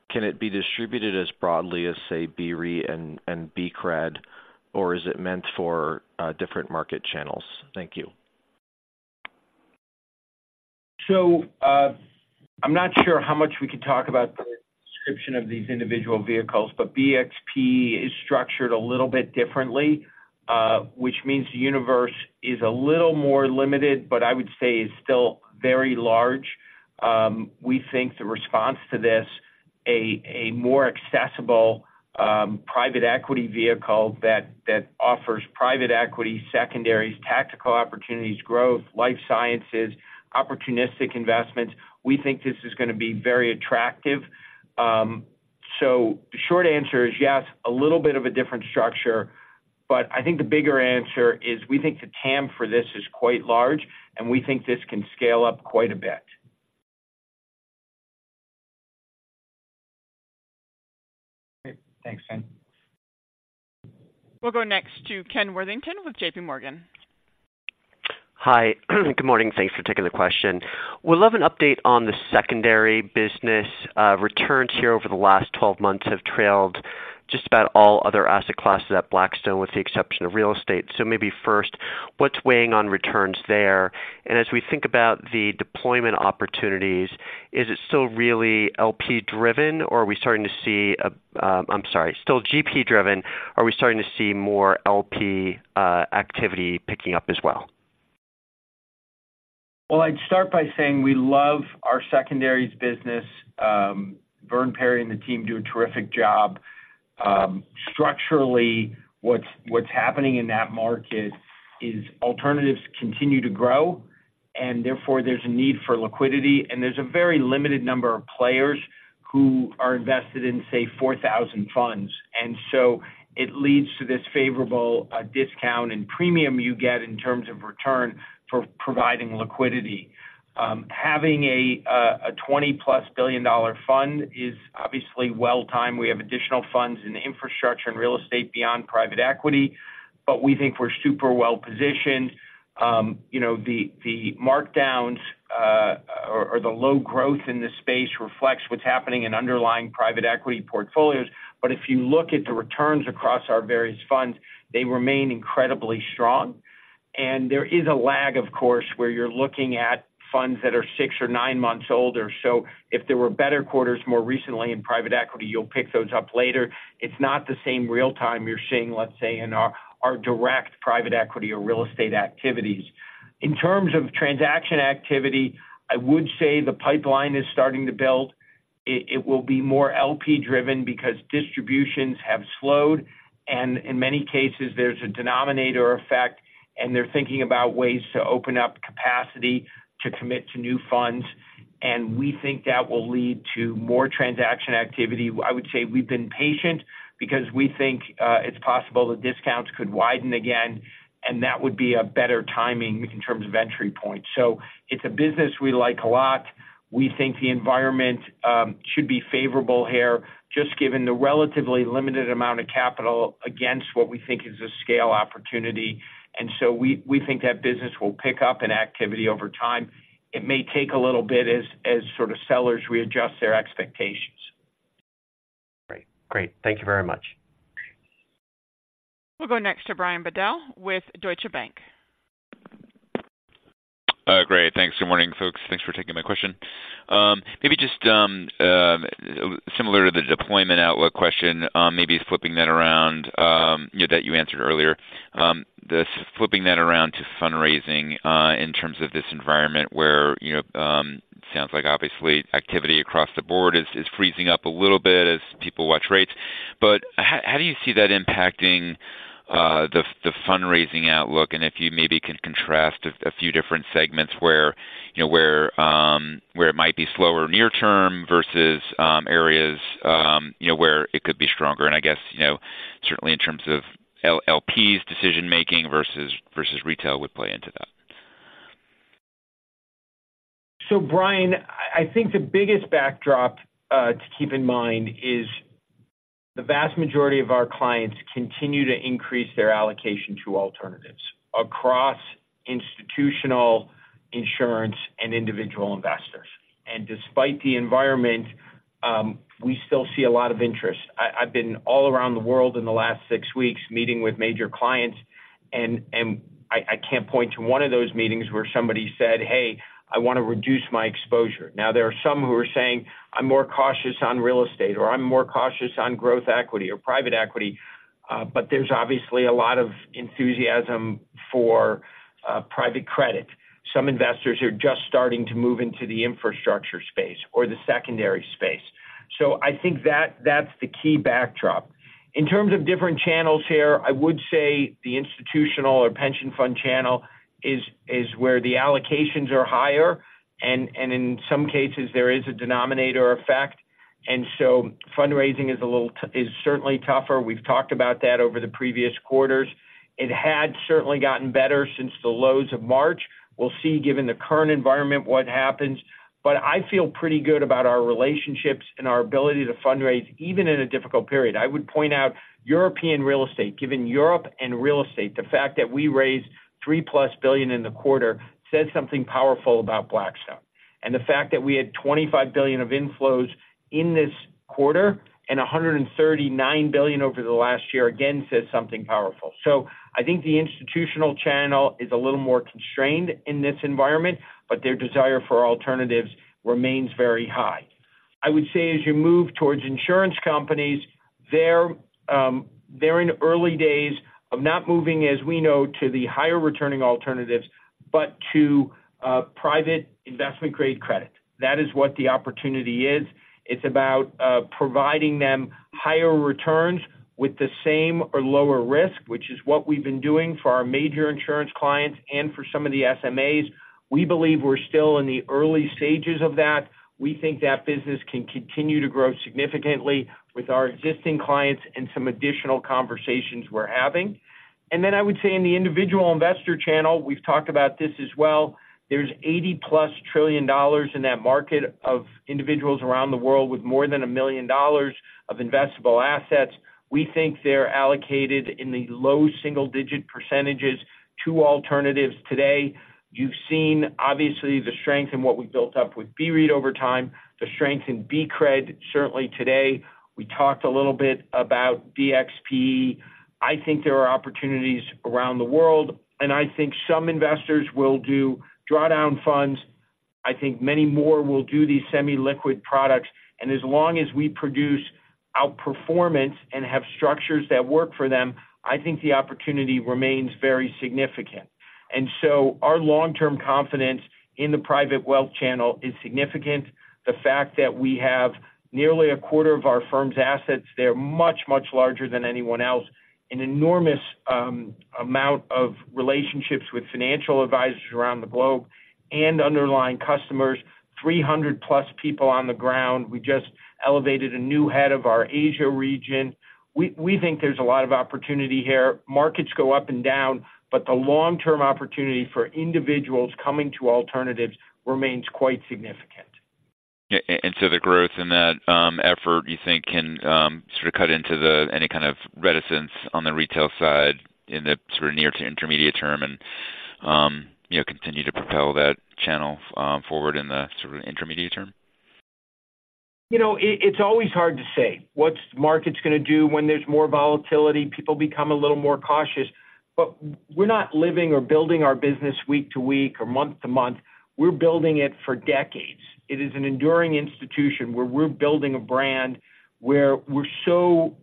Can it be distributed as broadly as, say, BRE and, and BCRED, or is it meant for different market channels? Thank you. So, I'm not sure how much we can talk about the description of these individual vehicles, but BXPE is structured a little bit differently, which means the universe is a little more limited, but I would say is still very large. We think the response to this, a more accessible private equity vehicle that offers private equity, secondaries, tactical opportunities, growth, life sciences, opportunistic investments. We think this is gonna be very attractive. So the short answer is yes, a little bit of a different structure, but I think the bigger answer is, we think the TAM for this is quite large, and we think this can scale up quite a bit. Great. Thanks, Ken. We'll go next to Ken Worthington with J.P. Morgan. Hi. Good morning. Thanks for taking the question. Would love an update on the secondary business. Returns here over the last 12 months have trailed just about all other asset classes at Blackstone, with the exception of real estate. So maybe first, what's weighing on returns there? And as we think about the deployment opportunities, is it still really LP-driven, or are we starting to see... I'm sorry, still GP-driven? Are we starting to see more LP activity picking up as well? Well, I'd start by saying we love our secondaries business. Vern Perry and the team do a terrific job. Structurally, what's happening in that market is alternatives continue to grow, and therefore, there's a need for liquidity, and there's a very limited number of players who are invested in, say, 4,000 funds. And so it leads to this favorable discount and premium you get in terms of return for providing liquidity. Having a $20+ billion fund is obviously well-timed. We have additional funds in infrastructure and real estate beyond private equity, but we think we're super well-positioned. You know, the markdowns or the low growth in this space reflects what's happening in underlying private equity portfolios. But if you look at the returns across our various funds, they remain incredibly strong. There is a lag, of course, where you're looking at funds that are six or nine months older. So if there were better quarters more recently in private equity, you'll pick those up later. It's not the same real time you're seeing, let's say, in our direct private equity or real estate activities. In terms of transaction activity, I would say the pipeline is starting to build. It will be more LP-driven because distributions have slowed, and in many cases, there's a denominator effect, and they're thinking about ways to open up capacity to commit to new funds, and we think that will lead to more transaction activity. I would say we've been patient because we think it's possible the discounts could widen again, and that would be a better timing in terms of entry point. So it's a business we like a lot. We think the environment should be favorable here, just given the relatively limited amount of capital against what we think is a scale opportunity. And so we think that business will pick up in activity over time. It may take a little bit as sort of sellers readjust their expectations. Great. Great. Thank you very much. We'll go next to Brian Bedell with Deutsche Bank. Great. Thanks. Good morning, folks. Thanks for taking my question. Maybe just similar to the deployment outlook question, maybe flipping that around, yeah, that you answered earlier. This flipping that around to fundraising, in terms of this environment where, you know, sounds like obviously, activity across the board is freezing up a little bit as people watch rates. But how do you see that impacting the fundraising outlook? And if you maybe can contrast a few different segments where, you know, where it might be slower near term versus areas, you know, where it could be stronger. And I guess, you know, certainly in terms of LPs decision-making versus retail would play into that. So, Brian, I think the biggest backdrop to keep in mind is the vast majority of our clients continue to increase their allocation to alternatives across institutional, insurance, and individual investors. And despite the environment, we still see a lot of interest. I've been all around the world in the last six weeks, meeting with major clients, and I can't point to one of those meetings where somebody said, "Hey, I want to reduce my exposure." Now, there are some who are saying, "I'm more cautious on real estate," or, "I'm more cautious on growth equity or private equity," but there's obviously a lot of enthusiasm for private credit. Some investors are just starting to move into the infrastructure space or the secondary space. So I think that's the key backdrop. In terms of different channels here, I would say the institutional or pension fund channel is where the allocations are higher, and in some cases, there is a denominator effect, and so fundraising is certainly tougher. We've talked about that over the previous quarters. It had certainly gotten better since the lows of March. We'll see, given the current environment, what happens. But I feel pretty good about our relationships and our ability to fundraise, even in a difficult period. I would point out European real estate. Given Europe and real estate, the fact that we raised $3+ billion in the quarter says something powerful about Blackstone... and the fact that we had $25 billion of inflows in this quarter, and $139 billion over the last year, again, says something powerful. So I think the institutional channel is a little more constrained in this environment, but their desire for alternatives remains very high. I would say, as you move towards insurance companies, they're, they're in early days of not moving, as we know, to the higher returning alternatives, but to private investment-grade credit. That is what the opportunity is. It's about providing them higher returns with the same or lower risk, which is what we've been doing for our major insurance clients and for some of the SMAs. We believe we're still in the early stages of that. We think that business can continue to grow significantly with our existing clients and some additional conversations we're having. And then I would say, in the individual investor channel, we've talked about this as well, there's $80+ trillion in that market of individuals around the world with more than $1 million of investable assets. We think they're allocated in the low single-digit percentages to alternatives today. You've seen, obviously, the strength in what we've built up with BREIT over time, the strength in BCRED, certainly today. We talked a little bit about BXPE. I think there are opportunities around the world, and I think some investors will do drawdown funds. I think many more will do these semi-liquid products, and as long as we produce outperformance, and have structures that work for them, I think the opportunity remains very significant. And so our long-term confidence in the private wealth channel is significant. The fact that we have nearly a quarter of our firm's assets, they're much, much larger than anyone else, an enormous amount of relationships with financial advisors around the globe and underlying customers, 300 plus people on the ground. We just elevated a new head of our Asia region. We think there's a lot of opportunity here. Markets go up and down, but the long-term opportunity for individuals coming to alternatives remains quite significant. So the growth in that effort, you think can sort of cut into any kind of reticence on the retail side in the sort of near to intermediate term and, you know, continue to propel that channel forward in the sort of intermediate term? You know, it's always hard to say what's the market's going to do. When there's more volatility, people become a little more cautious. But we're not living or building our business week to week or month to month, we're building it for decades. It is an enduring institution where we're building a brand where we're so,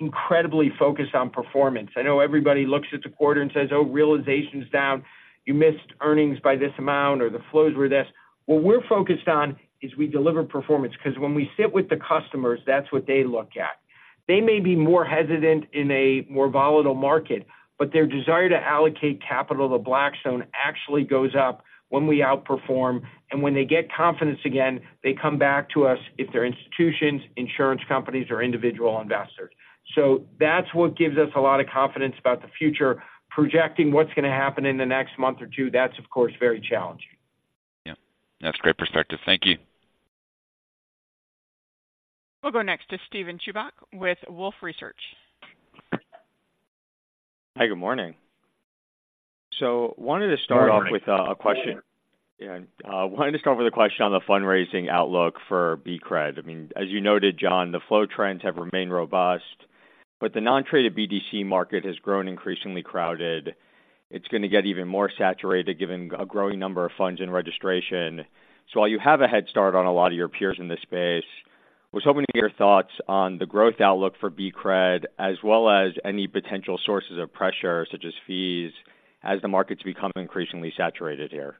incredibly focused on performance. I know everybody looks at the quarter and says, "Oh, realization's down. You missed earnings by this amount, or the flows were this." What we're focused on is we deliver performance, 'cause when we sit with the customers, that's what they look at. They may be more hesitant in a more volatile market, but their desire to allocate capital to Blackstone actually goes up when we outperform, and when they get confidence again, they come back to us if they're institutions, insurance companies, or individual investors. So that's what gives us a lot of confidence about the future. Projecting what's going to happen in the next month or two, that's, of course, very challenging. Yeah. That's great perspective. Thank you. We'll go next to Steven Chubak with Wolfe Research. Hi, good morning. Wanted to start off- Good morning. Yeah, wanted to start with a question on the fundraising outlook for BCRED. I mean, as you noted, Jon, the flow trends have remained robust, but the non-traded BDC market has grown increasingly crowded. It's going to get even more saturated, given a growing number of funds in registration. So while you have a head start on a lot of your peers in this space, I was hoping to get your thoughts on the growth outlook for BCRED, as well as any potential sources of pressure, such as fees, as the markets become increasingly saturated here.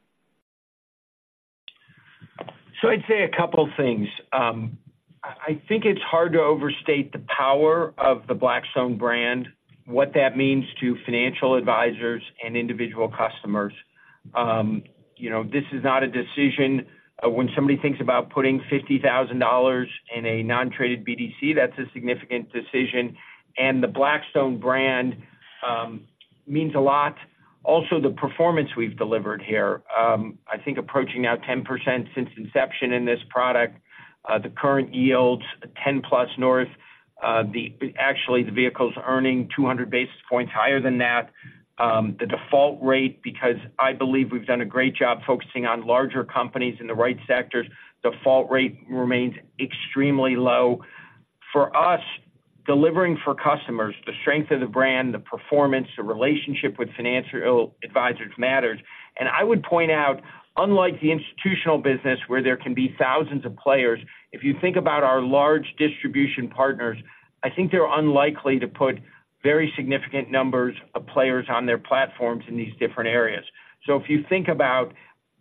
So I'd say a couple things. I think it's hard to overstate the power of the Blackstone brand, what that means to financial advisors and individual customers. You know, this is not a decision when somebody thinks about putting $50,000 in a non-traded BDC, that's a significant decision, and the Blackstone brand means a lot. Also, the performance we've delivered here, I think approaching now 10% since inception in this product, the current yields 10%+. Actually, the vehicle's earning 200 basis points higher than that. The default rate, because I believe we've done a great job focusing on larger companies in the right sectors, default rate remains extremely low. For us, delivering for customers, the strength of the brand, the performance, the relationship with financial advisors matters. I would point out, unlike the institutional business, where there can be thousands of players, if you think about our large distribution partners, I think they're unlikely to put very significant numbers of players on their platforms in these different areas. So if you think about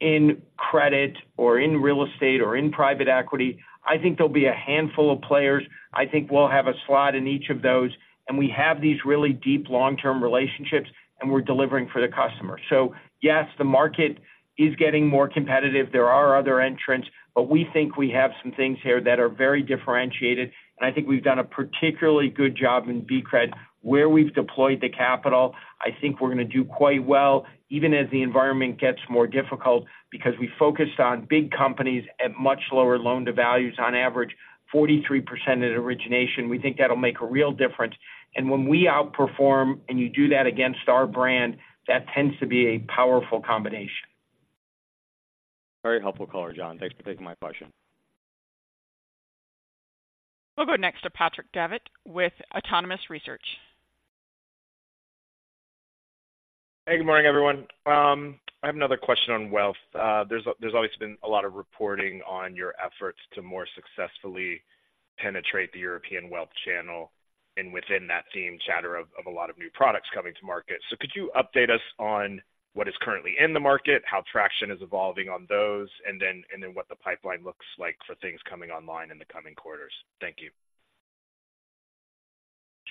in credit or in real estate or in private equity, I think there'll be a handful of players. I think we'll have a slot in each of those, and we have these really deep, long-term relationships, and we're delivering for the customer. So yes, the market is getting more competitive. There are other entrants, but we think we have some things here that are very differentiated, and I think we've done a particularly good job in BCRED. Where we've deployed the capital, I think we're going to do quite well, even as the environment gets more difficult, because we focused on big companies at much lower loan-to-values, on average, 43% at origination. We think that'll make a real difference. And when we outperform, and you do that against our brand, that tends to be a powerful combination. Very helpful call, Jon. Thanks for taking my question. We'll go next to Patrick Davitt with Autonomous Research. Hey, good morning, everyone. I have another question on wealth. There's always been a lot of reporting on your efforts to more successfully penetrate the European wealth channel, and within that theme, chatter of a lot of new products coming to market. So could you update us on what is currently in the market, how traction is evolving on those, and then what the pipeline looks like for things coming online in the coming quarters? Thank you.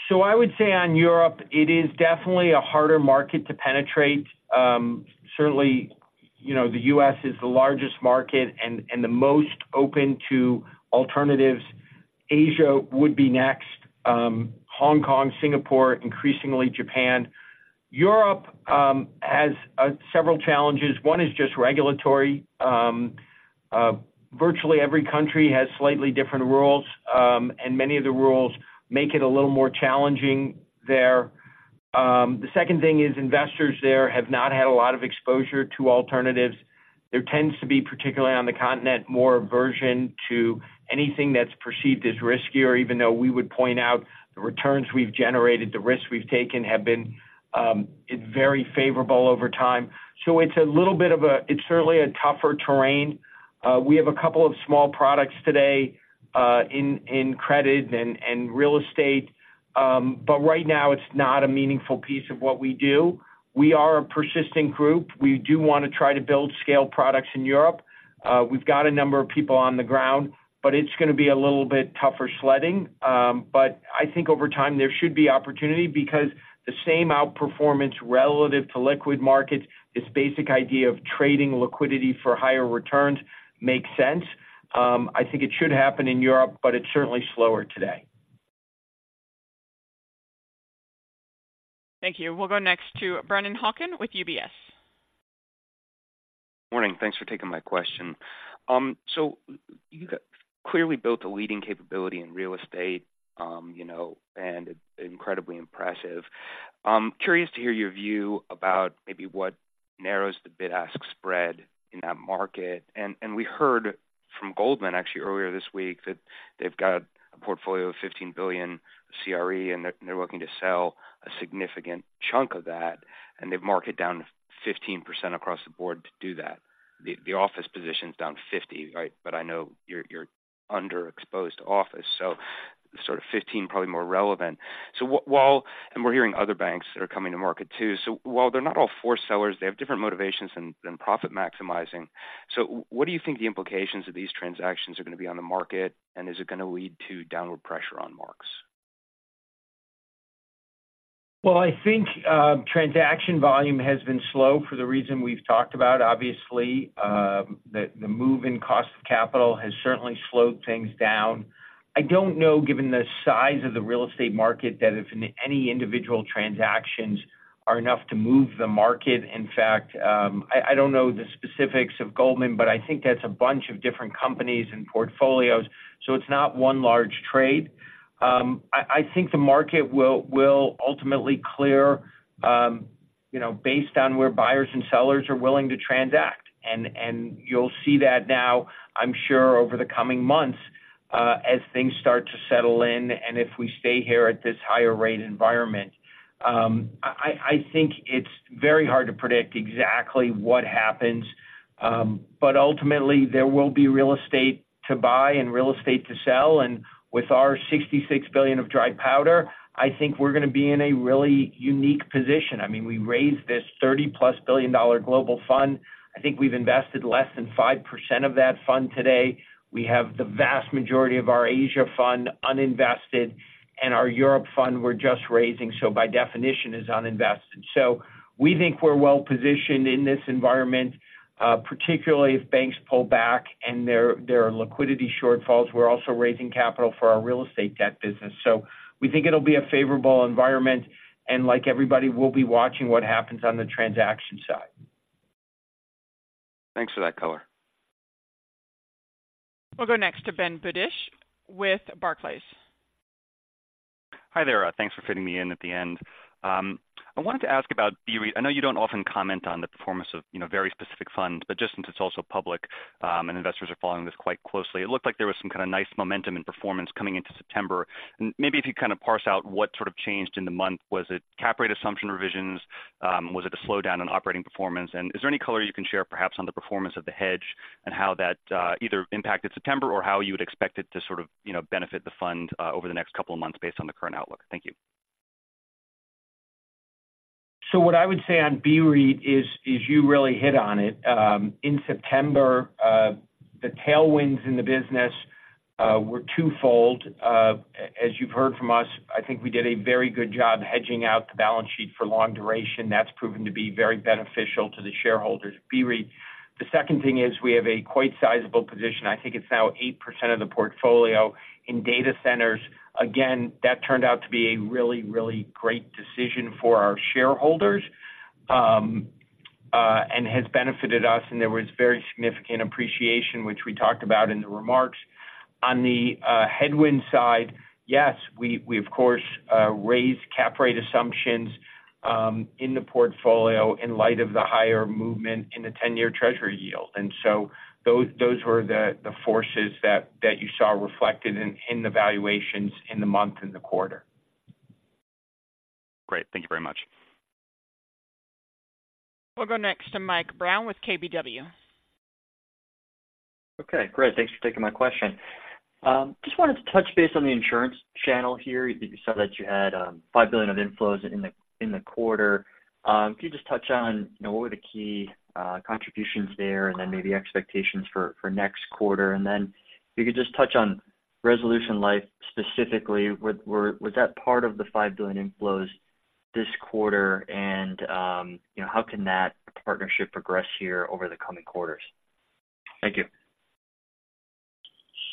So I would say on Europe, it is definitely a harder market to penetrate. Certainly, you know, the U.S. is the largest market and, and the most open to alternatives. Asia would be next, Hong Kong, Singapore, increasingly Japan. Europe has several challenges. One is just regulatory. Virtually, every country has slightly different rules, and many of the rules make it a little more challenging there. The second thing is investors there have not had a lot of exposure to alternatives. There tends to be, particularly on the continent, more aversion to anything that's perceived as riskier, even though we would point out the returns we've generated, the risks we've taken, have been very favorable over time. So it's a little bit of a. It's certainly a tougher terrain. We have a couple of small products today, in credit and real estate, but right now, it's not a meaningful piece of what we do. We are a persisting group. We do wanna try to build scale products in Europe. We've got a number of people on the ground, but it's gonna be a little bit tougher sledding. But I think over time, there should be opportunity because the same outperformance relative to liquid markets, this basic idea of trading liquidity for higher returns, makes sense. I think it should happen in Europe, but it's certainly slower today. Thank you. We'll go next to Brennan Hawken with UBS. Morning. Thanks for taking my question. So you've clearly built a leading capability in real estate, you know, and incredibly impressive. Curious to hear your view about maybe what narrows the bid-ask spread in that market. And we heard from Goldman, actually earlier this week, that they've got a portfolio of $15 billion CRE, and they're looking to sell a significant chunk of that, and they've marked it down 15% across the board to do that. The office position's down 50%, right? But I know you're underexposed to office, so sort of 15, probably more relevant. So while... And we're hearing other banks that are coming to market, too. So while they're not all forced sellers, they have different motivations than profit maximizing. What do you think the implications of these transactions are gonna be on the market, and is it gonna lead to downward pressure on marks? Well, I think, transaction volume has been slow for the reason we've talked about. Obviously, the move in cost of capital has certainly slowed things down. I don't know, given the size of the real estate market, that if any individual transactions are enough to move the market. In fact, I don't know the specifics of Goldman, but I think that's a bunch of different companies and portfolios, so it's not one large trade. I think the market will ultimately clear, you know, based on where buyers and sellers are willing to transact, and you'll see that now, I'm sure, over the coming months, as things start to settle in and if we stay here at this higher rate environment. I think it's very hard to predict exactly what happens, but ultimately, there will be real estate to buy and real estate to sell. And with our $66 billion of dry powder, I think we're gonna be in a really unique position. I mean, we raised this $30+ billion global fund. I think we've invested less than 5% of that fund today. We have the vast majority of our Asia fund uninvested, and our Europe fund we're just raising, so by definition, is uninvested. So we think we're well-positioned in this environment, particularly if banks pull back, and there are liquidity shortfalls. We're also raising capital for our real estate debt business, so we think it'll be a favorable environment, and like everybody, we'll be watching what happens on the transaction side. Thanks for that color. We'll go next to Ben Budish with Barclays. Hi there. Thanks for fitting me in at the end. I wanted to ask about BREIT. I know you don't often comment on the performance of, you know, very specific funds, but just since it's also public, and investors are following this quite closely, it looked like there was some kind of nice momentum and performance coming into September. And maybe if you kind of parse out what sort of changed in the month. Was it cap rate assumption revisions? Was it a slowdown in operating performance? And is there any color you can share, perhaps, on the performance of the hedge and how that either impacted September or how you would expect it to sort of, you know, benefit the fund over the next couple of months based on the current outlook? Thank you. So what I would say on BREIT is, you really hit on it. In September, the tailwinds in the business were twofold. As you've heard from us, I think we did a very good job hedging out the balance sheet for long duration. That's proven to be very beneficial to the shareholders of BREIT. The second thing is, we have a quite sizable position, I think it's now 8% of the portfolio, in data centers. Again, that turned out to be a really, really great decision for our shareholders, and has benefited us, and there was very significant appreciation, which we talked about in the remarks. On the headwind side. Yes, we of course raised cap rate assumptions in the portfolio in light of the higher movement in the 10-year Treasury yield. And so those were the forces that you saw reflected in the valuations in the month, in the quarter. Great. Thank you very much. We'll go next to Mike Brown with KBW. Okay, great. Thanks for taking my question. Just wanted to touch base on the insurance channel here. You saw that you had $5 billion of inflows in the quarter. Could you just touch on, you know, what were the key contributions there, and then maybe expectations for next quarter? And then if you could just touch on Resolution Life specifically. Was that part of the $5 billion inflows this quarter? And, you know, how can that partnership progress here over the coming quarters? Thank you.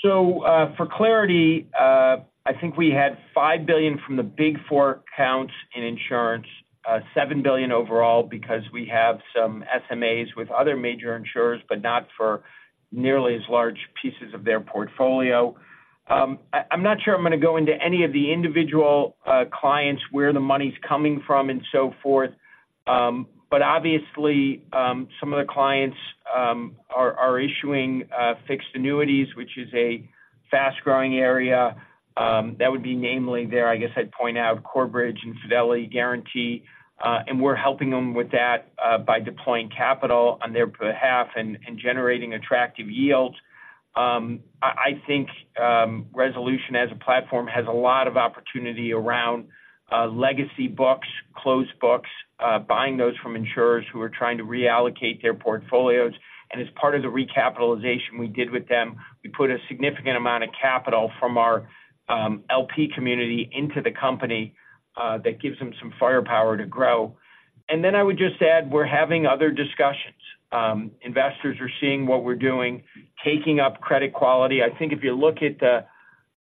So, for clarity, I think we had $5 billion from the big four accounts in insurance, $7 billion overall, because we have some SMAs with other major insurers, but not for nearly as large pieces of their portfolio. I, I'm not sure I'm going to go into any of the individual, clients, where the money's coming from and so forth. But obviously, some of the clients, are, are issuing, fixed annuities, which is a fast-growing area, that would be namely there. I guess I'd point out Corebridge and Fidelity & Guaranty Life, and we're helping them with that, by deploying capital on their behalf and, and generating attractive yields. I think Resolution as a platform has a lot of opportunity around legacy books, closed books, buying those from insurers who are trying to reallocate their portfolios. And as part of the recapitalization we did with them, we put a significant amount of capital from our LP community into the company that gives them some firepower to grow. And then I would just add, we're having other discussions. Investors are seeing what we're doing, taking up credit quality. I think if you look at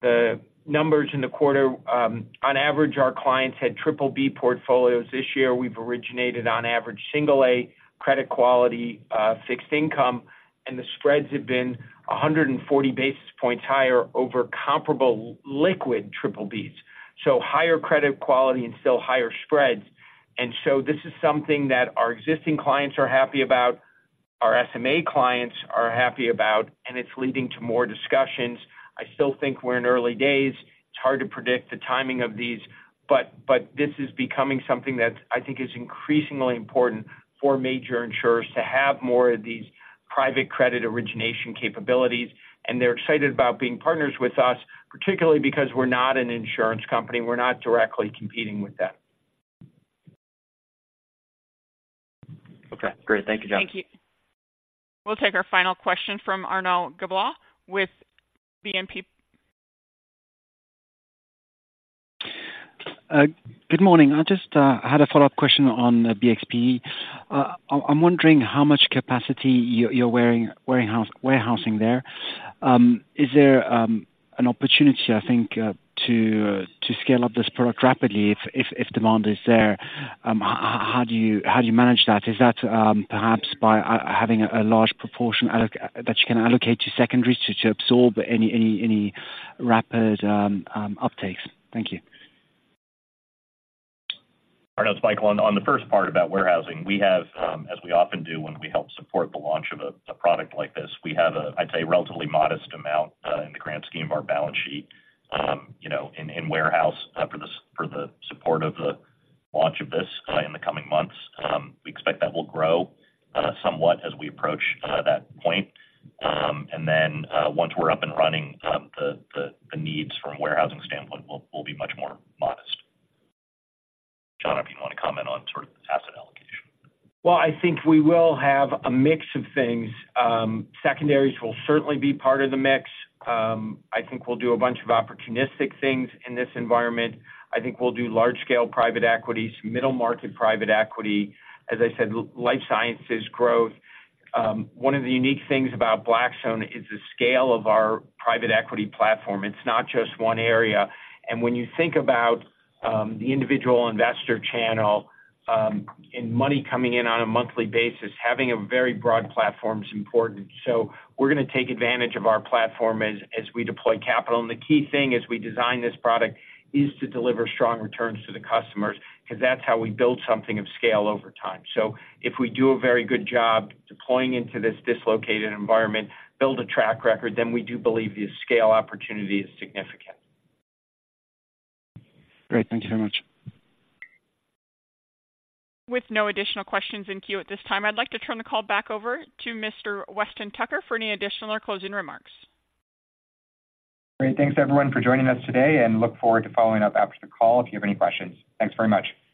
the numbers in the quarter, on average, our clients had triple B portfolios. This year, we've originated on average single A credit quality fixed income, and the spreads have been 140 basis points higher over comparable liquid triple Bs. So higher credit quality and still higher spreads. And so this is something that our existing clients are happy about, our SMA clients are happy about, and it's leading to more discussions. I still think we're in early days. It's hard to predict the timing of these, but this is becoming something that I think is increasingly important for major insurers to have more of these private credit origination capabilities. And they're excited about being partners with us, particularly because we're not an insurance company. We're not directly competing with them. Okay, great. Thank you, Jon. Thank you. We'll take our final question from Arnaud Giblat with BNP. Good morning. I just had a follow-up question on the BXPE. I'm wondering how much capacity you're warehousing there. Is there an opportunity, I think, to scale up this product rapidly if demand is there? How do you manage that? Is that perhaps by having a large proportion that you can allocate to secondaries to absorb any rapid uptakes? Thank you. Arnaud, it's Michael. On the first part about warehousing, we have, as we often do when we help support the launch of a product like this, we have a, I'd say, relatively modest amount, in the grand scheme of our balance sheet, you know, in warehouse, for the support of the launch of this, in the coming months. We expect that will grow, somewhat as we approach that point. And then, once we're up and running, the needs from a warehousing standpoint will be much more modest. Jon, if you want to comment on sort of the asset allocation. Well, I think we will have a mix of things. Secondaries will certainly be part of the mix. I think we'll do a bunch of opportunistic things in this environment. I think we'll do large-scale private equity, some middle-market private equity, as I said, life sciences growth. One of the unique things about Blackstone is the scale of our private equity platform. It's not just one area. And when you think about the individual investor channel and money coming in on a monthly basis, having a very broad platform is important. So we're going to take advantage of our platform as we deploy capital. And the key thing as we design this product is to deliver strong returns to the customers, because that's how we build something of scale over time. So if we do a very good job deploying into this dislocated environment, build a track record, then we do believe the scale opportunity is significant. Great. Thank you very much. With no additional questions in queue at this time, I'd like to turn the call back over to Mr. Weston Tucker for any additional or closing remarks. Great. Thanks, everyone, for joining us today and look forward to following up after the call if you have any questions. Thanks very much.